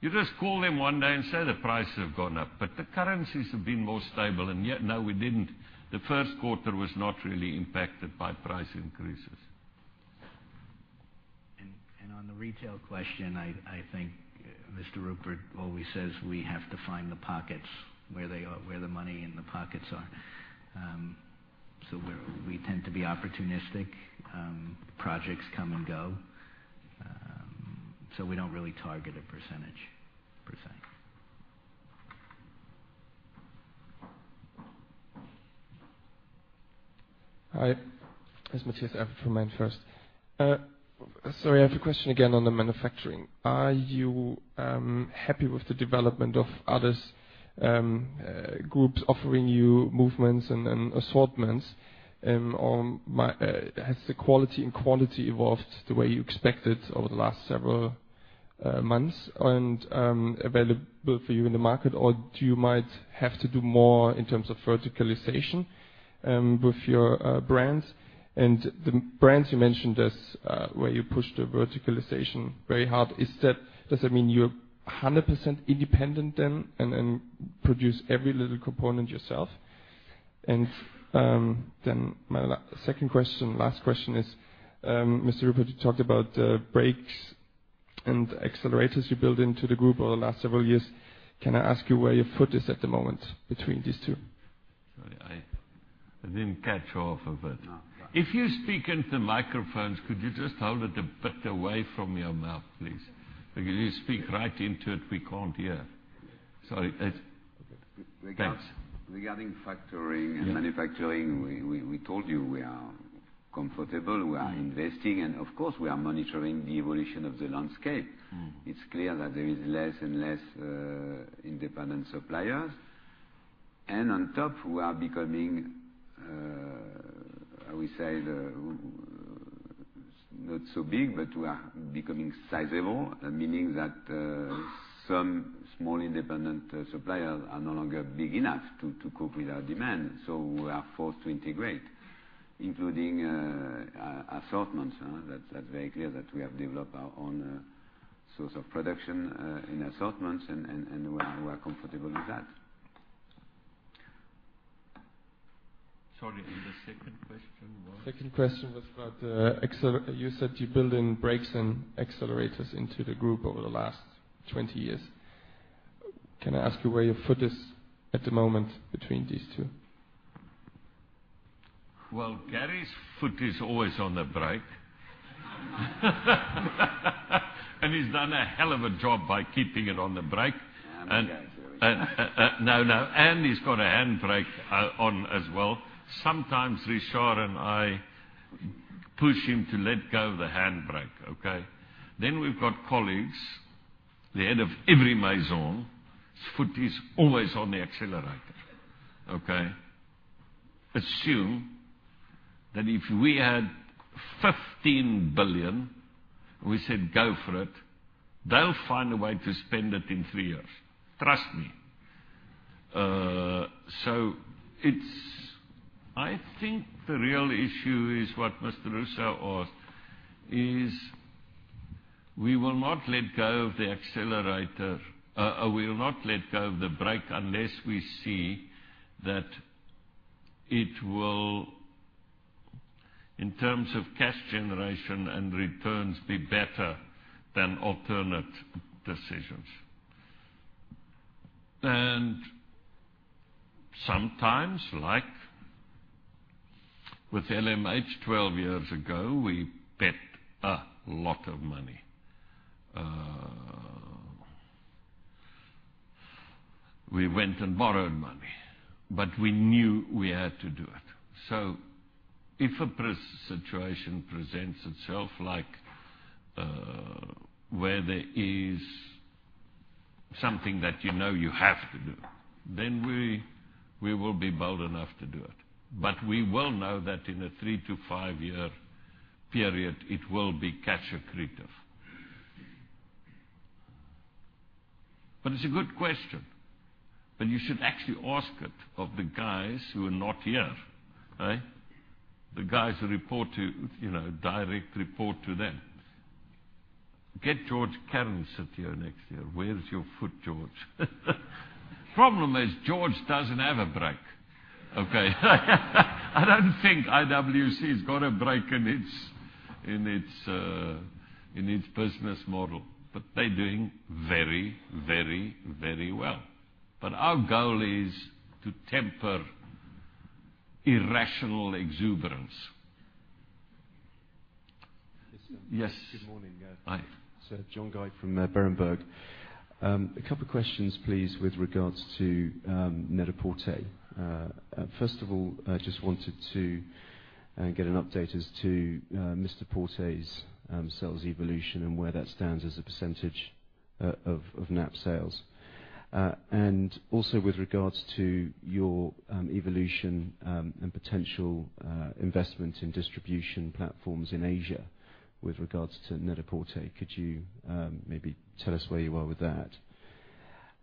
You just call them one day and say the prices have gone up, but the currencies have been more stable, yet, no, we didn't. The first quarter was not really impacted by price increases. On the retail question, I think Mr. Rupert always says we have to find the pockets, where the money and the pockets are. We tend to be opportunistic. Projects come and go. We don't really target a percentage per se. Hi. It's Matthias from MainFirst. Sorry, I have a question again on the manufacturing. Are you happy with the development of other groups offering you movements and assortments? Has the quality and quantity evolved the way you expected over the last several months and available for you in the market, or you might have to do more in terms of verticalization with your brands? The brands you mentioned where you pushed the verticalization very hard, does that mean you're 100% independent then and produce every little component yourself? My second question, last question is, Mr. Rupert, you talked about brakes and accelerators you built into the group over the last several years. Can I ask you where your foot is at the moment between these two? Sorry, I didn't catch all of it. No. If you speak into the microphones, could you just hold it a bit away from your mouth, please? Because you speak right into it, we can't hear. Sorry. Thanks. Regarding factoring and manufacturing, we told you we are comfortable, we are investing, and of course, we are monitoring the evolution of the landscape. It's clear that there is less and less independent suppliers. On top, we are becoming, how we say, not so big, but we are becoming sizable, meaning that some small independent suppliers are no longer big enough to cope with our demand. We are forced to integrate, including assortments. That's very clear that we have developed our own source of production in assortments, and we are comfortable with that. Sorry, the second question was? Second question was about you said you built in brakes and accelerators into the group over the last 20 years. Can I ask you where your foot is at the moment between these two? Well, Gary's foot is always on the brake. He's done a hell of a job by keeping it on the brake. I'm okay. There we go. No, no. He's got a handbrake on as well. Sometimes Richard and I push him to let go of the handbrake, okay? We've got colleagues, the head of every Maison, his foot is always on the accelerator. Okay? Assume that if we had 15 billion, we said, "Go for it," they'll find a way to spend it in 3 years. Trust me. I think the real issue is what Mr. Russo asked, is we will not let go of the brake unless we see that it will, in terms of cash generation and returns, be better than alternate decisions. Sometimes, like with LMH 12 years ago, we bet a lot of money. We went and borrowed money. We knew we had to do it. If a situation presents itself, like where there is something that you know you have to do, we will be bold enough to do it. We will know that in a 3-to-5-year period, it will be cash accretive. It's a good question. You should actually ask it of the guys who are not here. The guys who direct report to them. Get Georges Kern sit here next year. Where's your foot, Georges? Problem is, Georges doesn't have a break. Okay. I don't think IWC has got a break in its business model, but they're doing very well. Our goal is to temper irrational exuberance. Yes, sir. Yes. Good morning. Hi. Sir, John Guy from Berenberg. A couple of questions, please, with regards to Net-a-Porter. First of all, I just wanted to get an update as to Mr Porter's sales evolution and where that stands as a percentage of NAP sales. Also with regards to your evolution, and potential investment in distribution platforms in Asia with regards to Net-a-Porter. Could you maybe tell us where you are with that?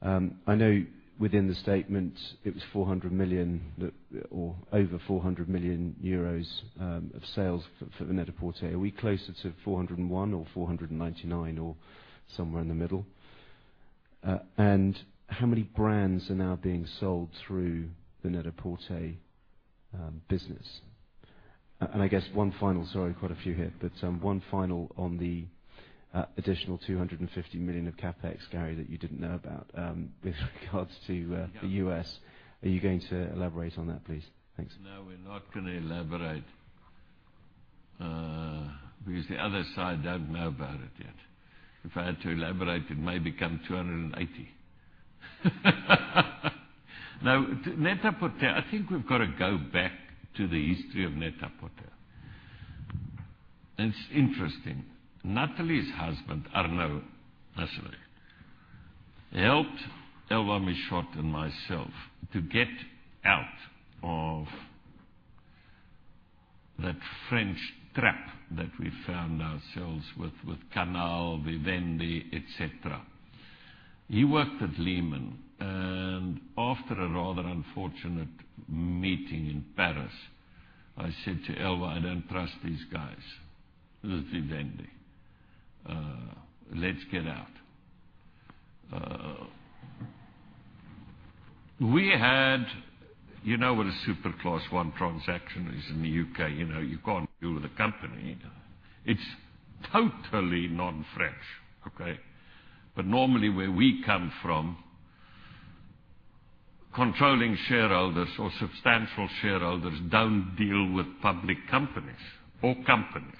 I know within the statement it was 400 million or over 400 million euros of sales for the Net-a-Porter. Are we closer to 401 or 499 or somewhere in the middle? How many brands are now being sold through the Net-a-Porter business? I guess one final, sorry, quite a few here, but one final on the additional 250 million of CapEx, Gary, that you didn't know about, with regards to the U.S. Are you going to elaborate on that, please? Thanks. No, we're not going to elaborate. The other side don't know about it yet. If I had to elaborate, it may become 280. Net-a-Porter, I think we've got to go back to the history of Net-a-Porter. It's interesting. Natalie's husband, Arnaud Massenet, helped Elva Michon and myself to get out of that French trap that we found ourselves with Canal, Vivendi, et cetera. He worked at Lehman, after a rather unfortunate meeting in Paris, I said to Elva, "I don't trust these guys with Vivendi. Let's get out." You know what a Super Class 1 transaction is in the U.K. You know you can't deal with a company. It's totally non-French, okay? Normally, where we come from, controlling shareholders or substantial shareholders don't deal with public companies or companies.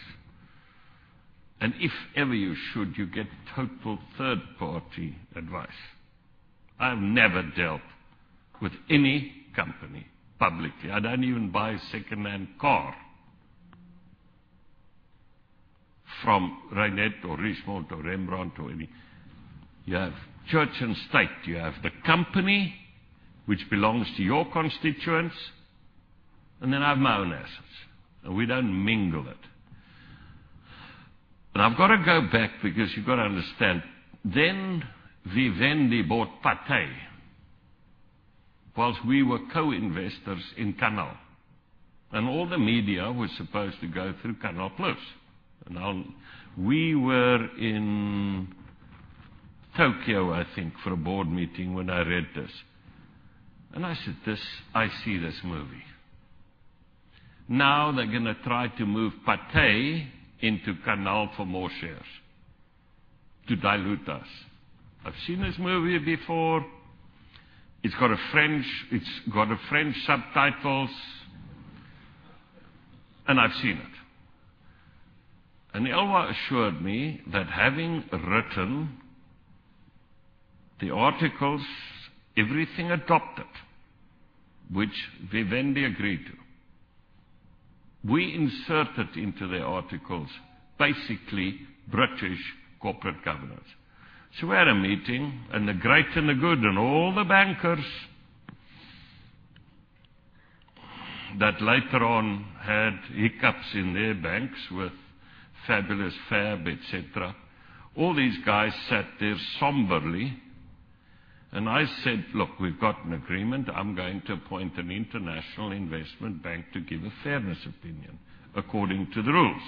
If ever you should, you get total third-party advice. I've never dealt with any company publicly. I don't even buy a second-hand car from Rupert or Richemont or Rembrandt Group or any. You have church and state. You have the company, which belongs to your constituents, and then I have my own assets, and we don't mingle it. I've got to go back because you've got to understand, Vivendi bought Pathé whilst we were co-investors in Canal. All the media was supposed to go through Canal+. We were in Tokyo, I think, for a board meeting when I read this. I said, "I see this movie. They're going to try to move Pathé into Canal for more shares to dilute us." I've seen this movie before. It's got French subtitles, and I've seen it. Elva assured me that having written the articles, everything adopted, which Vivendi agreed to. We inserted into the articles, basically British corporate governance. We had a meeting and the great and the good and all the bankers that later on had hiccups in their banks with Fabulous Fab, et cetera. All these guys sat there somberly and I said, "Look, we've got an agreement. I'm going to appoint an international investment bank to give a fairness opinion according to the rules."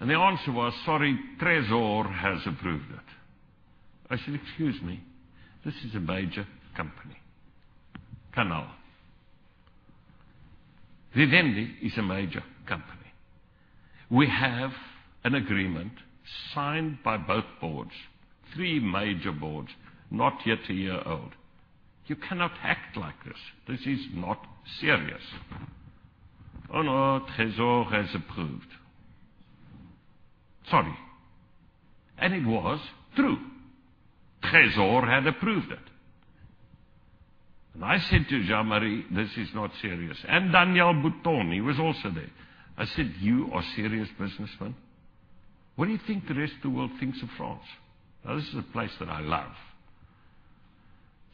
The answer was, "Sorry, Trésor has approved it." I said, "Excuse me, this is a major company, Canal. Vivendi is a major company. We have an agreement signed by both boards, three major boards, not yet a year old. You cannot act like this. This is not serious." "Oh, no, Trésor has approved. Sorry." It was true. Trésor had approved it. I said to Jean-Marie, "This is not serious." Daniel Bouton, he was also there. I said, "You are serious businessmen. What do you think the rest of the world thinks of France? This is a place that I love.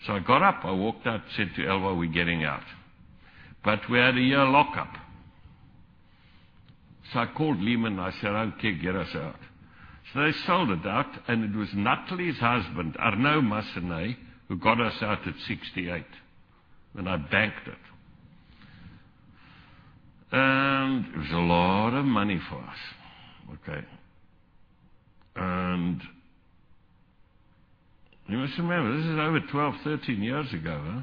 I got up, I walked out, said to Elva, "We're getting out." We had a year lockup. I called Lehman, I said, "Okay, get us out." They sold it out, and it was Natalie's husband, Arnaud Massenet, who got us out at 68, and I banked it. It was a lot of money for us. Okay. You must remember, this is over 12, 13 years ago.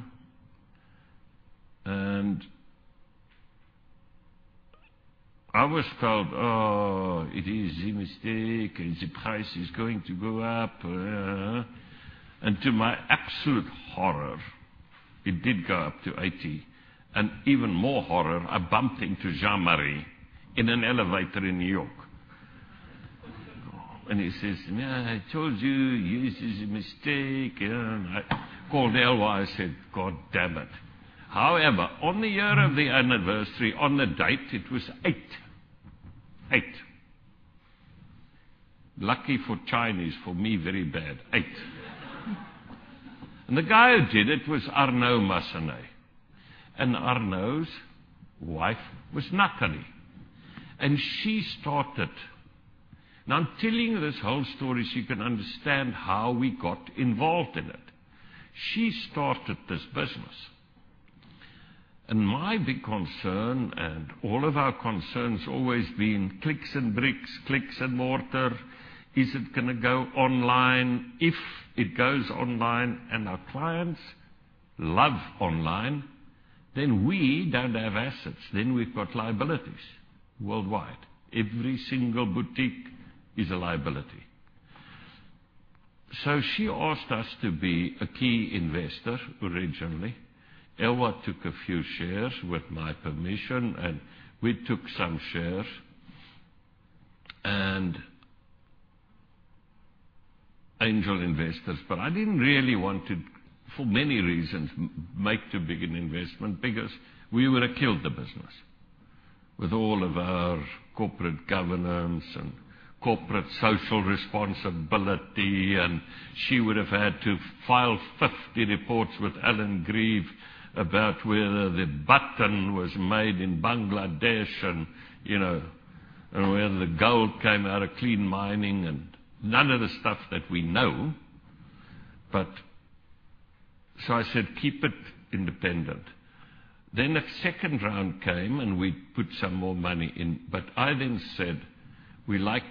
I was told, "Oh, it is a mistake and the price is going to go up." To my absolute horror, it did go up to 80. Even more horror, I bumped into Jean-Marie in an elevator in New York. He says, "I told you, this is a mistake." I called Elva, I said, "Goddammit." However, on the year of the anniversary, on the date, it was eight. Eight. Lucky for Chinese, for me, very bad. Eight. The guy who did it was Arnaud Massenet. Arnaud's wife was Natalie. She started. I'm telling this whole story so you can understand how we got involved in it. She started this business. My big concern, and all of our concerns always been clicks and bricks, clicks and mortar. Is it going to go online? If it goes online, and our clients love online, then we don't have assets, then we've got liabilities worldwide. Every single boutique is a liability. She asked us to be a key investor originally. Elva took a few shares with my permission, and we took some shares and angel investors. I didn't really want to, for many reasons, make too big an investment, because we would have killed the business with all of our corporate governance and corporate social responsibility. She would have had to file 50 reports with Alan Grieve about whether the button was made in Bangladesh and, whether the gold came out of clean mining and none of the stuff that we know. I said, "Keep it independent." A second round came and we put some more money in. I then said, "We like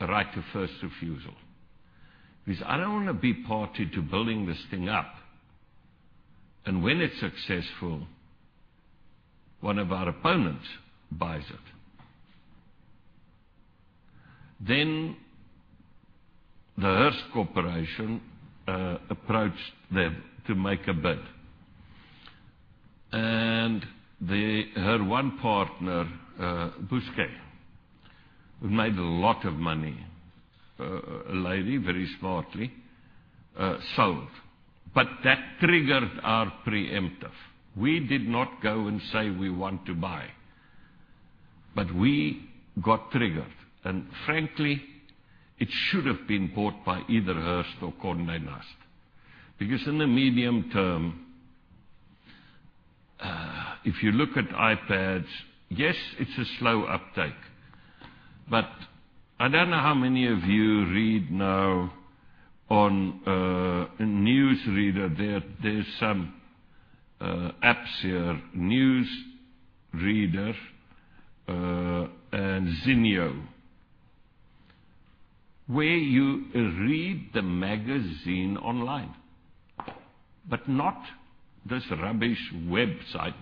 the right to first refusal." I don't want to be party to building this thing up, and when it's successful, one of our opponents buys it. The Hearst Corporation approached them to make a bid. Her one partner, Busquets, who made a lot of money, a lady, very smartly, sold. That triggered our preemptive. We did not go and say we want to buy, but we got triggered. Frankly, it should have been bought by either Hearst or Condé Nast. In the medium term, if you look at iPads, yes, it's a slow uptake, but I don't know how many of you read now on a news reader, there's some apps here, news reader, and Zinio, where you read the magazine online. Not this rubbish website.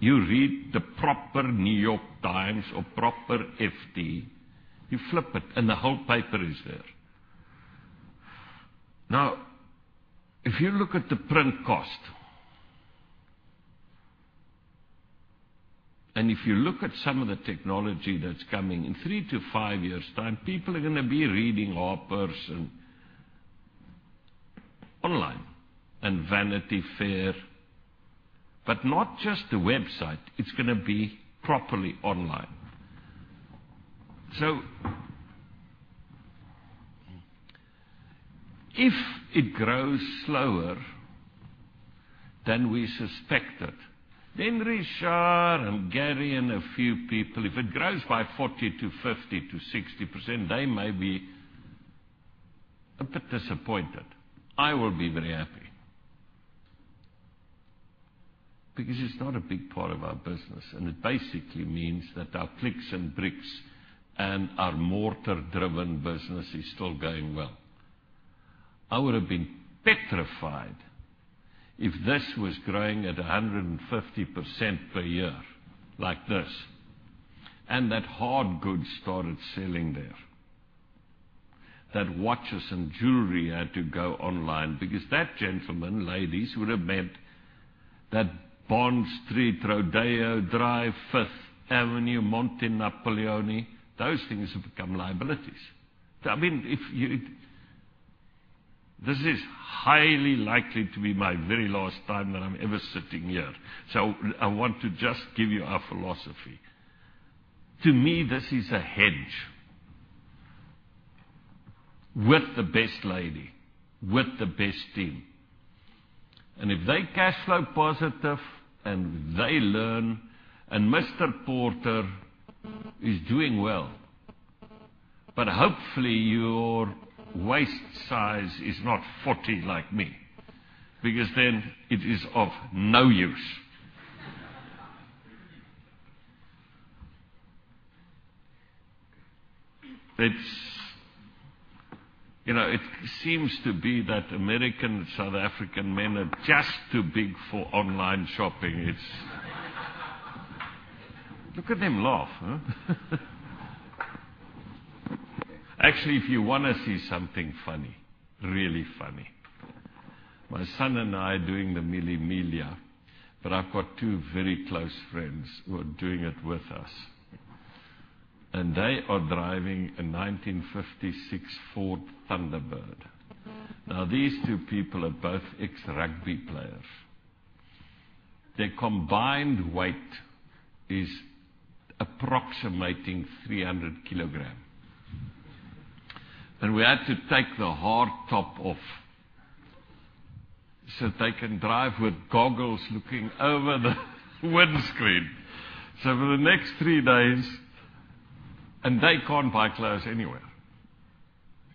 You read the proper New York Times or proper FT. You flip it and the whole paper is there. If you look at the print cost, and if you look at some of the technology that's coming, in three to five years' time, people are going to be reading Harper's online and Vanity Fair. Not just the website, it's going to be properly online. If it grows slower than we suspected, Richard and Gary and a few people, if it grows by 40% to 50% to 60%, they may be a bit disappointed. I will be very happy. It's not a big part of our business, and it basically means that our clicks and bricks and our mortar-driven business is still going well. I would have been petrified if this was growing at 150% per year like this, and that hard goods started selling there, that watches and jewelry had to go online, because that, gentlemen, ladies, would have meant that Bond Street, Rodeo Drive, Fifth Avenue, Monte Napoleone, those things have become liabilities. This is highly likely to be my very last time that I'm ever sitting here. I want to just give you our philosophy. To me, this is a hedge with the best lady, with the best team. If they cash flow positive and they learn, and Mr. Porter is doing well. Hopefully, your waist size is not 40 like me, because then it is of no use. It seems to be that American and South African men are just too big for online shopping. Look at them laugh, huh? Actually, if you want to see something funny, really funny, my son and I are doing the Mille Miglia, but I've got two very close friends who are doing it with us, and they are driving a 1956 Ford Thunderbird. Now, these two people are both ex-rugby players. Their combined weight is approximating 300 kilogram. We had to take the hard top off, so they can drive with goggles looking over the windscreen. For the next three days, and they can't buy clothes anywhere.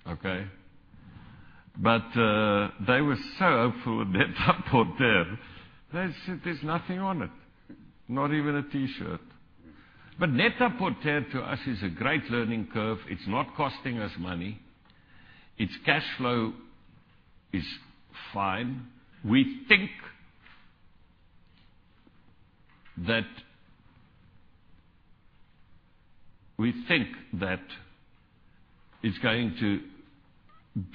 Okay? They were so hopeful with Net-a-Porter. They said there's nothing on it, not even a T-shirt. Net-a-Porter to us is a great learning curve. It's not costing us money. Its cash flow is fine. We think that it's going to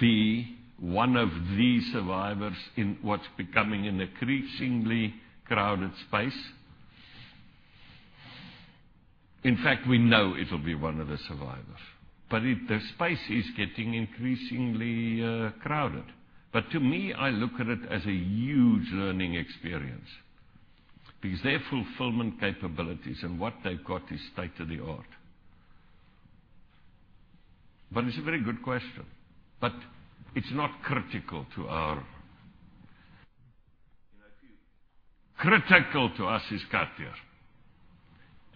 be one of the survivors in what's becoming an increasingly crowded space. In fact, we know it'll be one of the survivors. The space is getting increasingly crowded. To me, I look at it as a huge learning experience because their fulfillment capabilities and what they've got is state-of-the-art. It's a very good question, but it's not. Critical to us is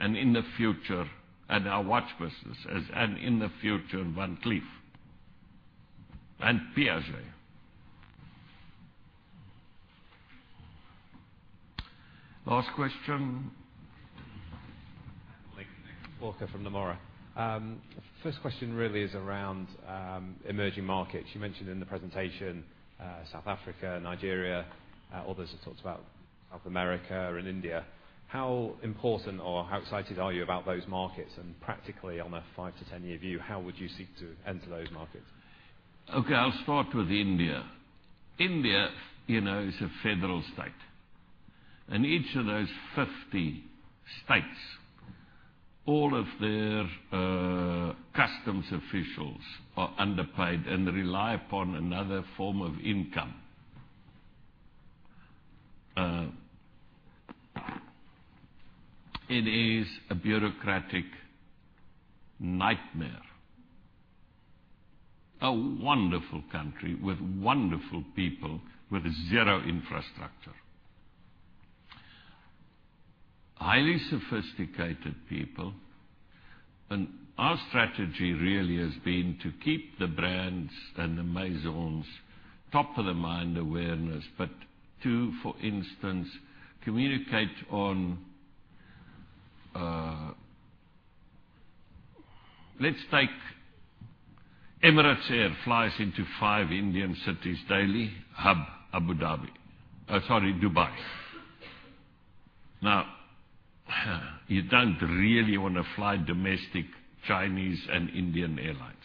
Cartier and our watch business, and in the future, Van Cleef and Piaget. Last question. Walker from Nomura. First question really is around emerging markets. You mentioned in the presentation, South Africa, Nigeria, others have talked about South America and India. How important or how excited are you about those markets? Practically, on a five to 10-year view, how would you seek to enter those markets? I'll start with India. India is a federal state, each of those 50 states, all of their customs officials are underpaid and rely upon another form of income. It is a bureaucratic nightmare. A wonderful country with wonderful people, with zero infrastructure. Highly sophisticated people. Our strategy really has been to keep the brands and the Maisons top-of-the-mind awareness, but to, for instance, communicate on Let's take Emirates flies into five Indian cities daily, hub Abu Dhabi. Sorry, Dubai. You don't really want to fly domestic Chinese and Indian airlines.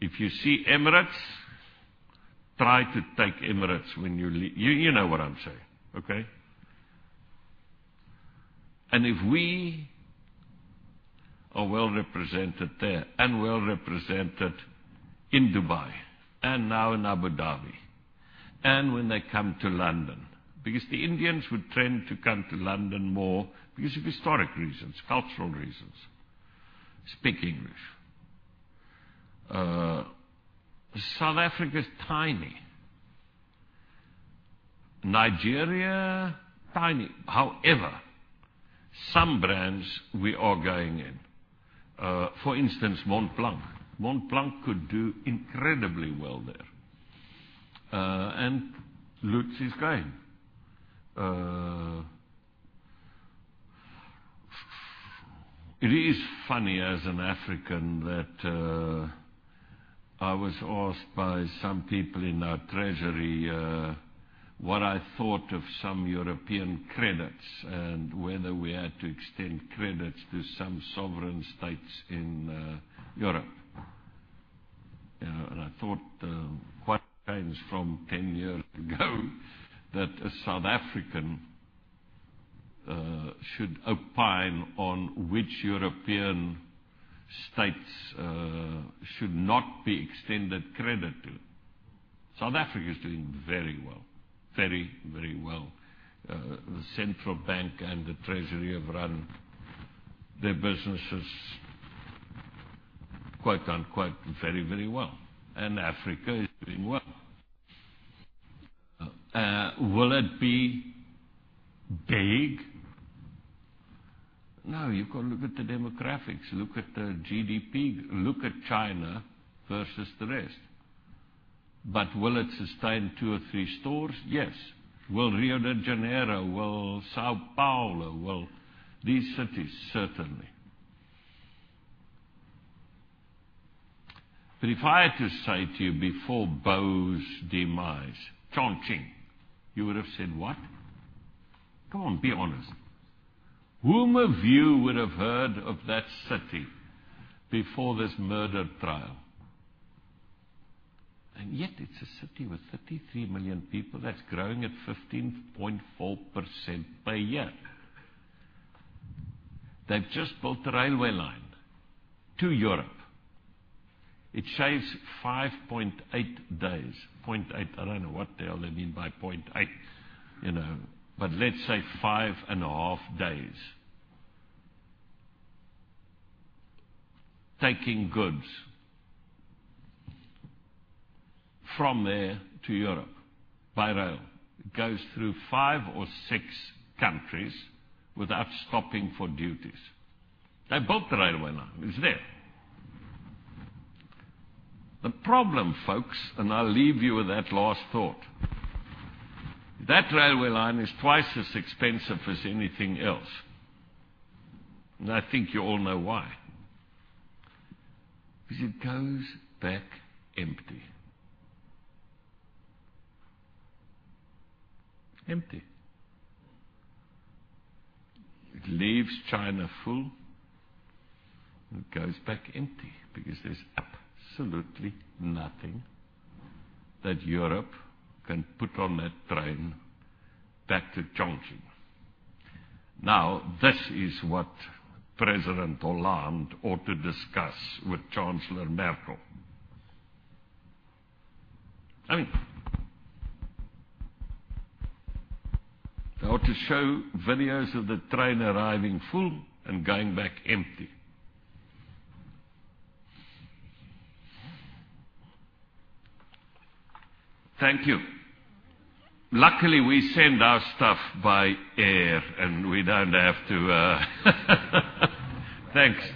If you see Emirates, try to take Emirates when you leave. You know what I'm saying? If we are well-represented there and well-represented in Dubai and now in Abu Dhabi, and when they come to London, because the Indians would tend to come to London more because of historic reasons, cultural reasons, speak English. South Africa is tiny. Nigeria, tiny. However, some brands we are going in. For instance, Montblanc. Montblanc could do incredibly well there. Lutz is going. It is funny as an African that I was asked by some people in our treasury what I thought of some European credits and whether we had to extend credits to some sovereign states in Europe. I thought, what changed from 10 years ago that a South African should opine on which European states should not be extended credit to. South Africa is doing very well. Very, very well. The Central Bank and the Treasury have run their businesses, quote unquote, very, very well. Africa is doing well. Will it be big? You've got to look at the demographics, look at the GDP, look at China versus the rest. Will it sustain two or three stores? Yes. Will Rio de Janeiro, will São Paulo, will these cities? Certainly. If I had to say to you before Bo's demise, Chongqing, you would have said, "What?" Come on, be honest. Whom of you would have heard of that city before this murder trial? It's a city with 33 million people that's growing at 15.4% per year. They've just built a railway line to Europe. It shaves 5.8 days. 0.8, I don't know what the hell they mean by 0.8. Let's say five and a half days, taking goods from there to Europe by rail. It goes through five or six countries without stopping for duties. They built the railway line. It's there. The problem, folks, I'll leave you with that last thought, that railway line is twice as expensive as anything else, I think you all know why. Because it goes back empty. Empty. It leaves China full, it goes back empty because there's absolutely nothing that Europe can put on that train back to Chongqing. This is what President Hollande ought to discuss with Chancellor Merkel. They ought to show videos of the train arriving full and going back empty. Thank you. Luckily, we send our stuff by air, we don't have to.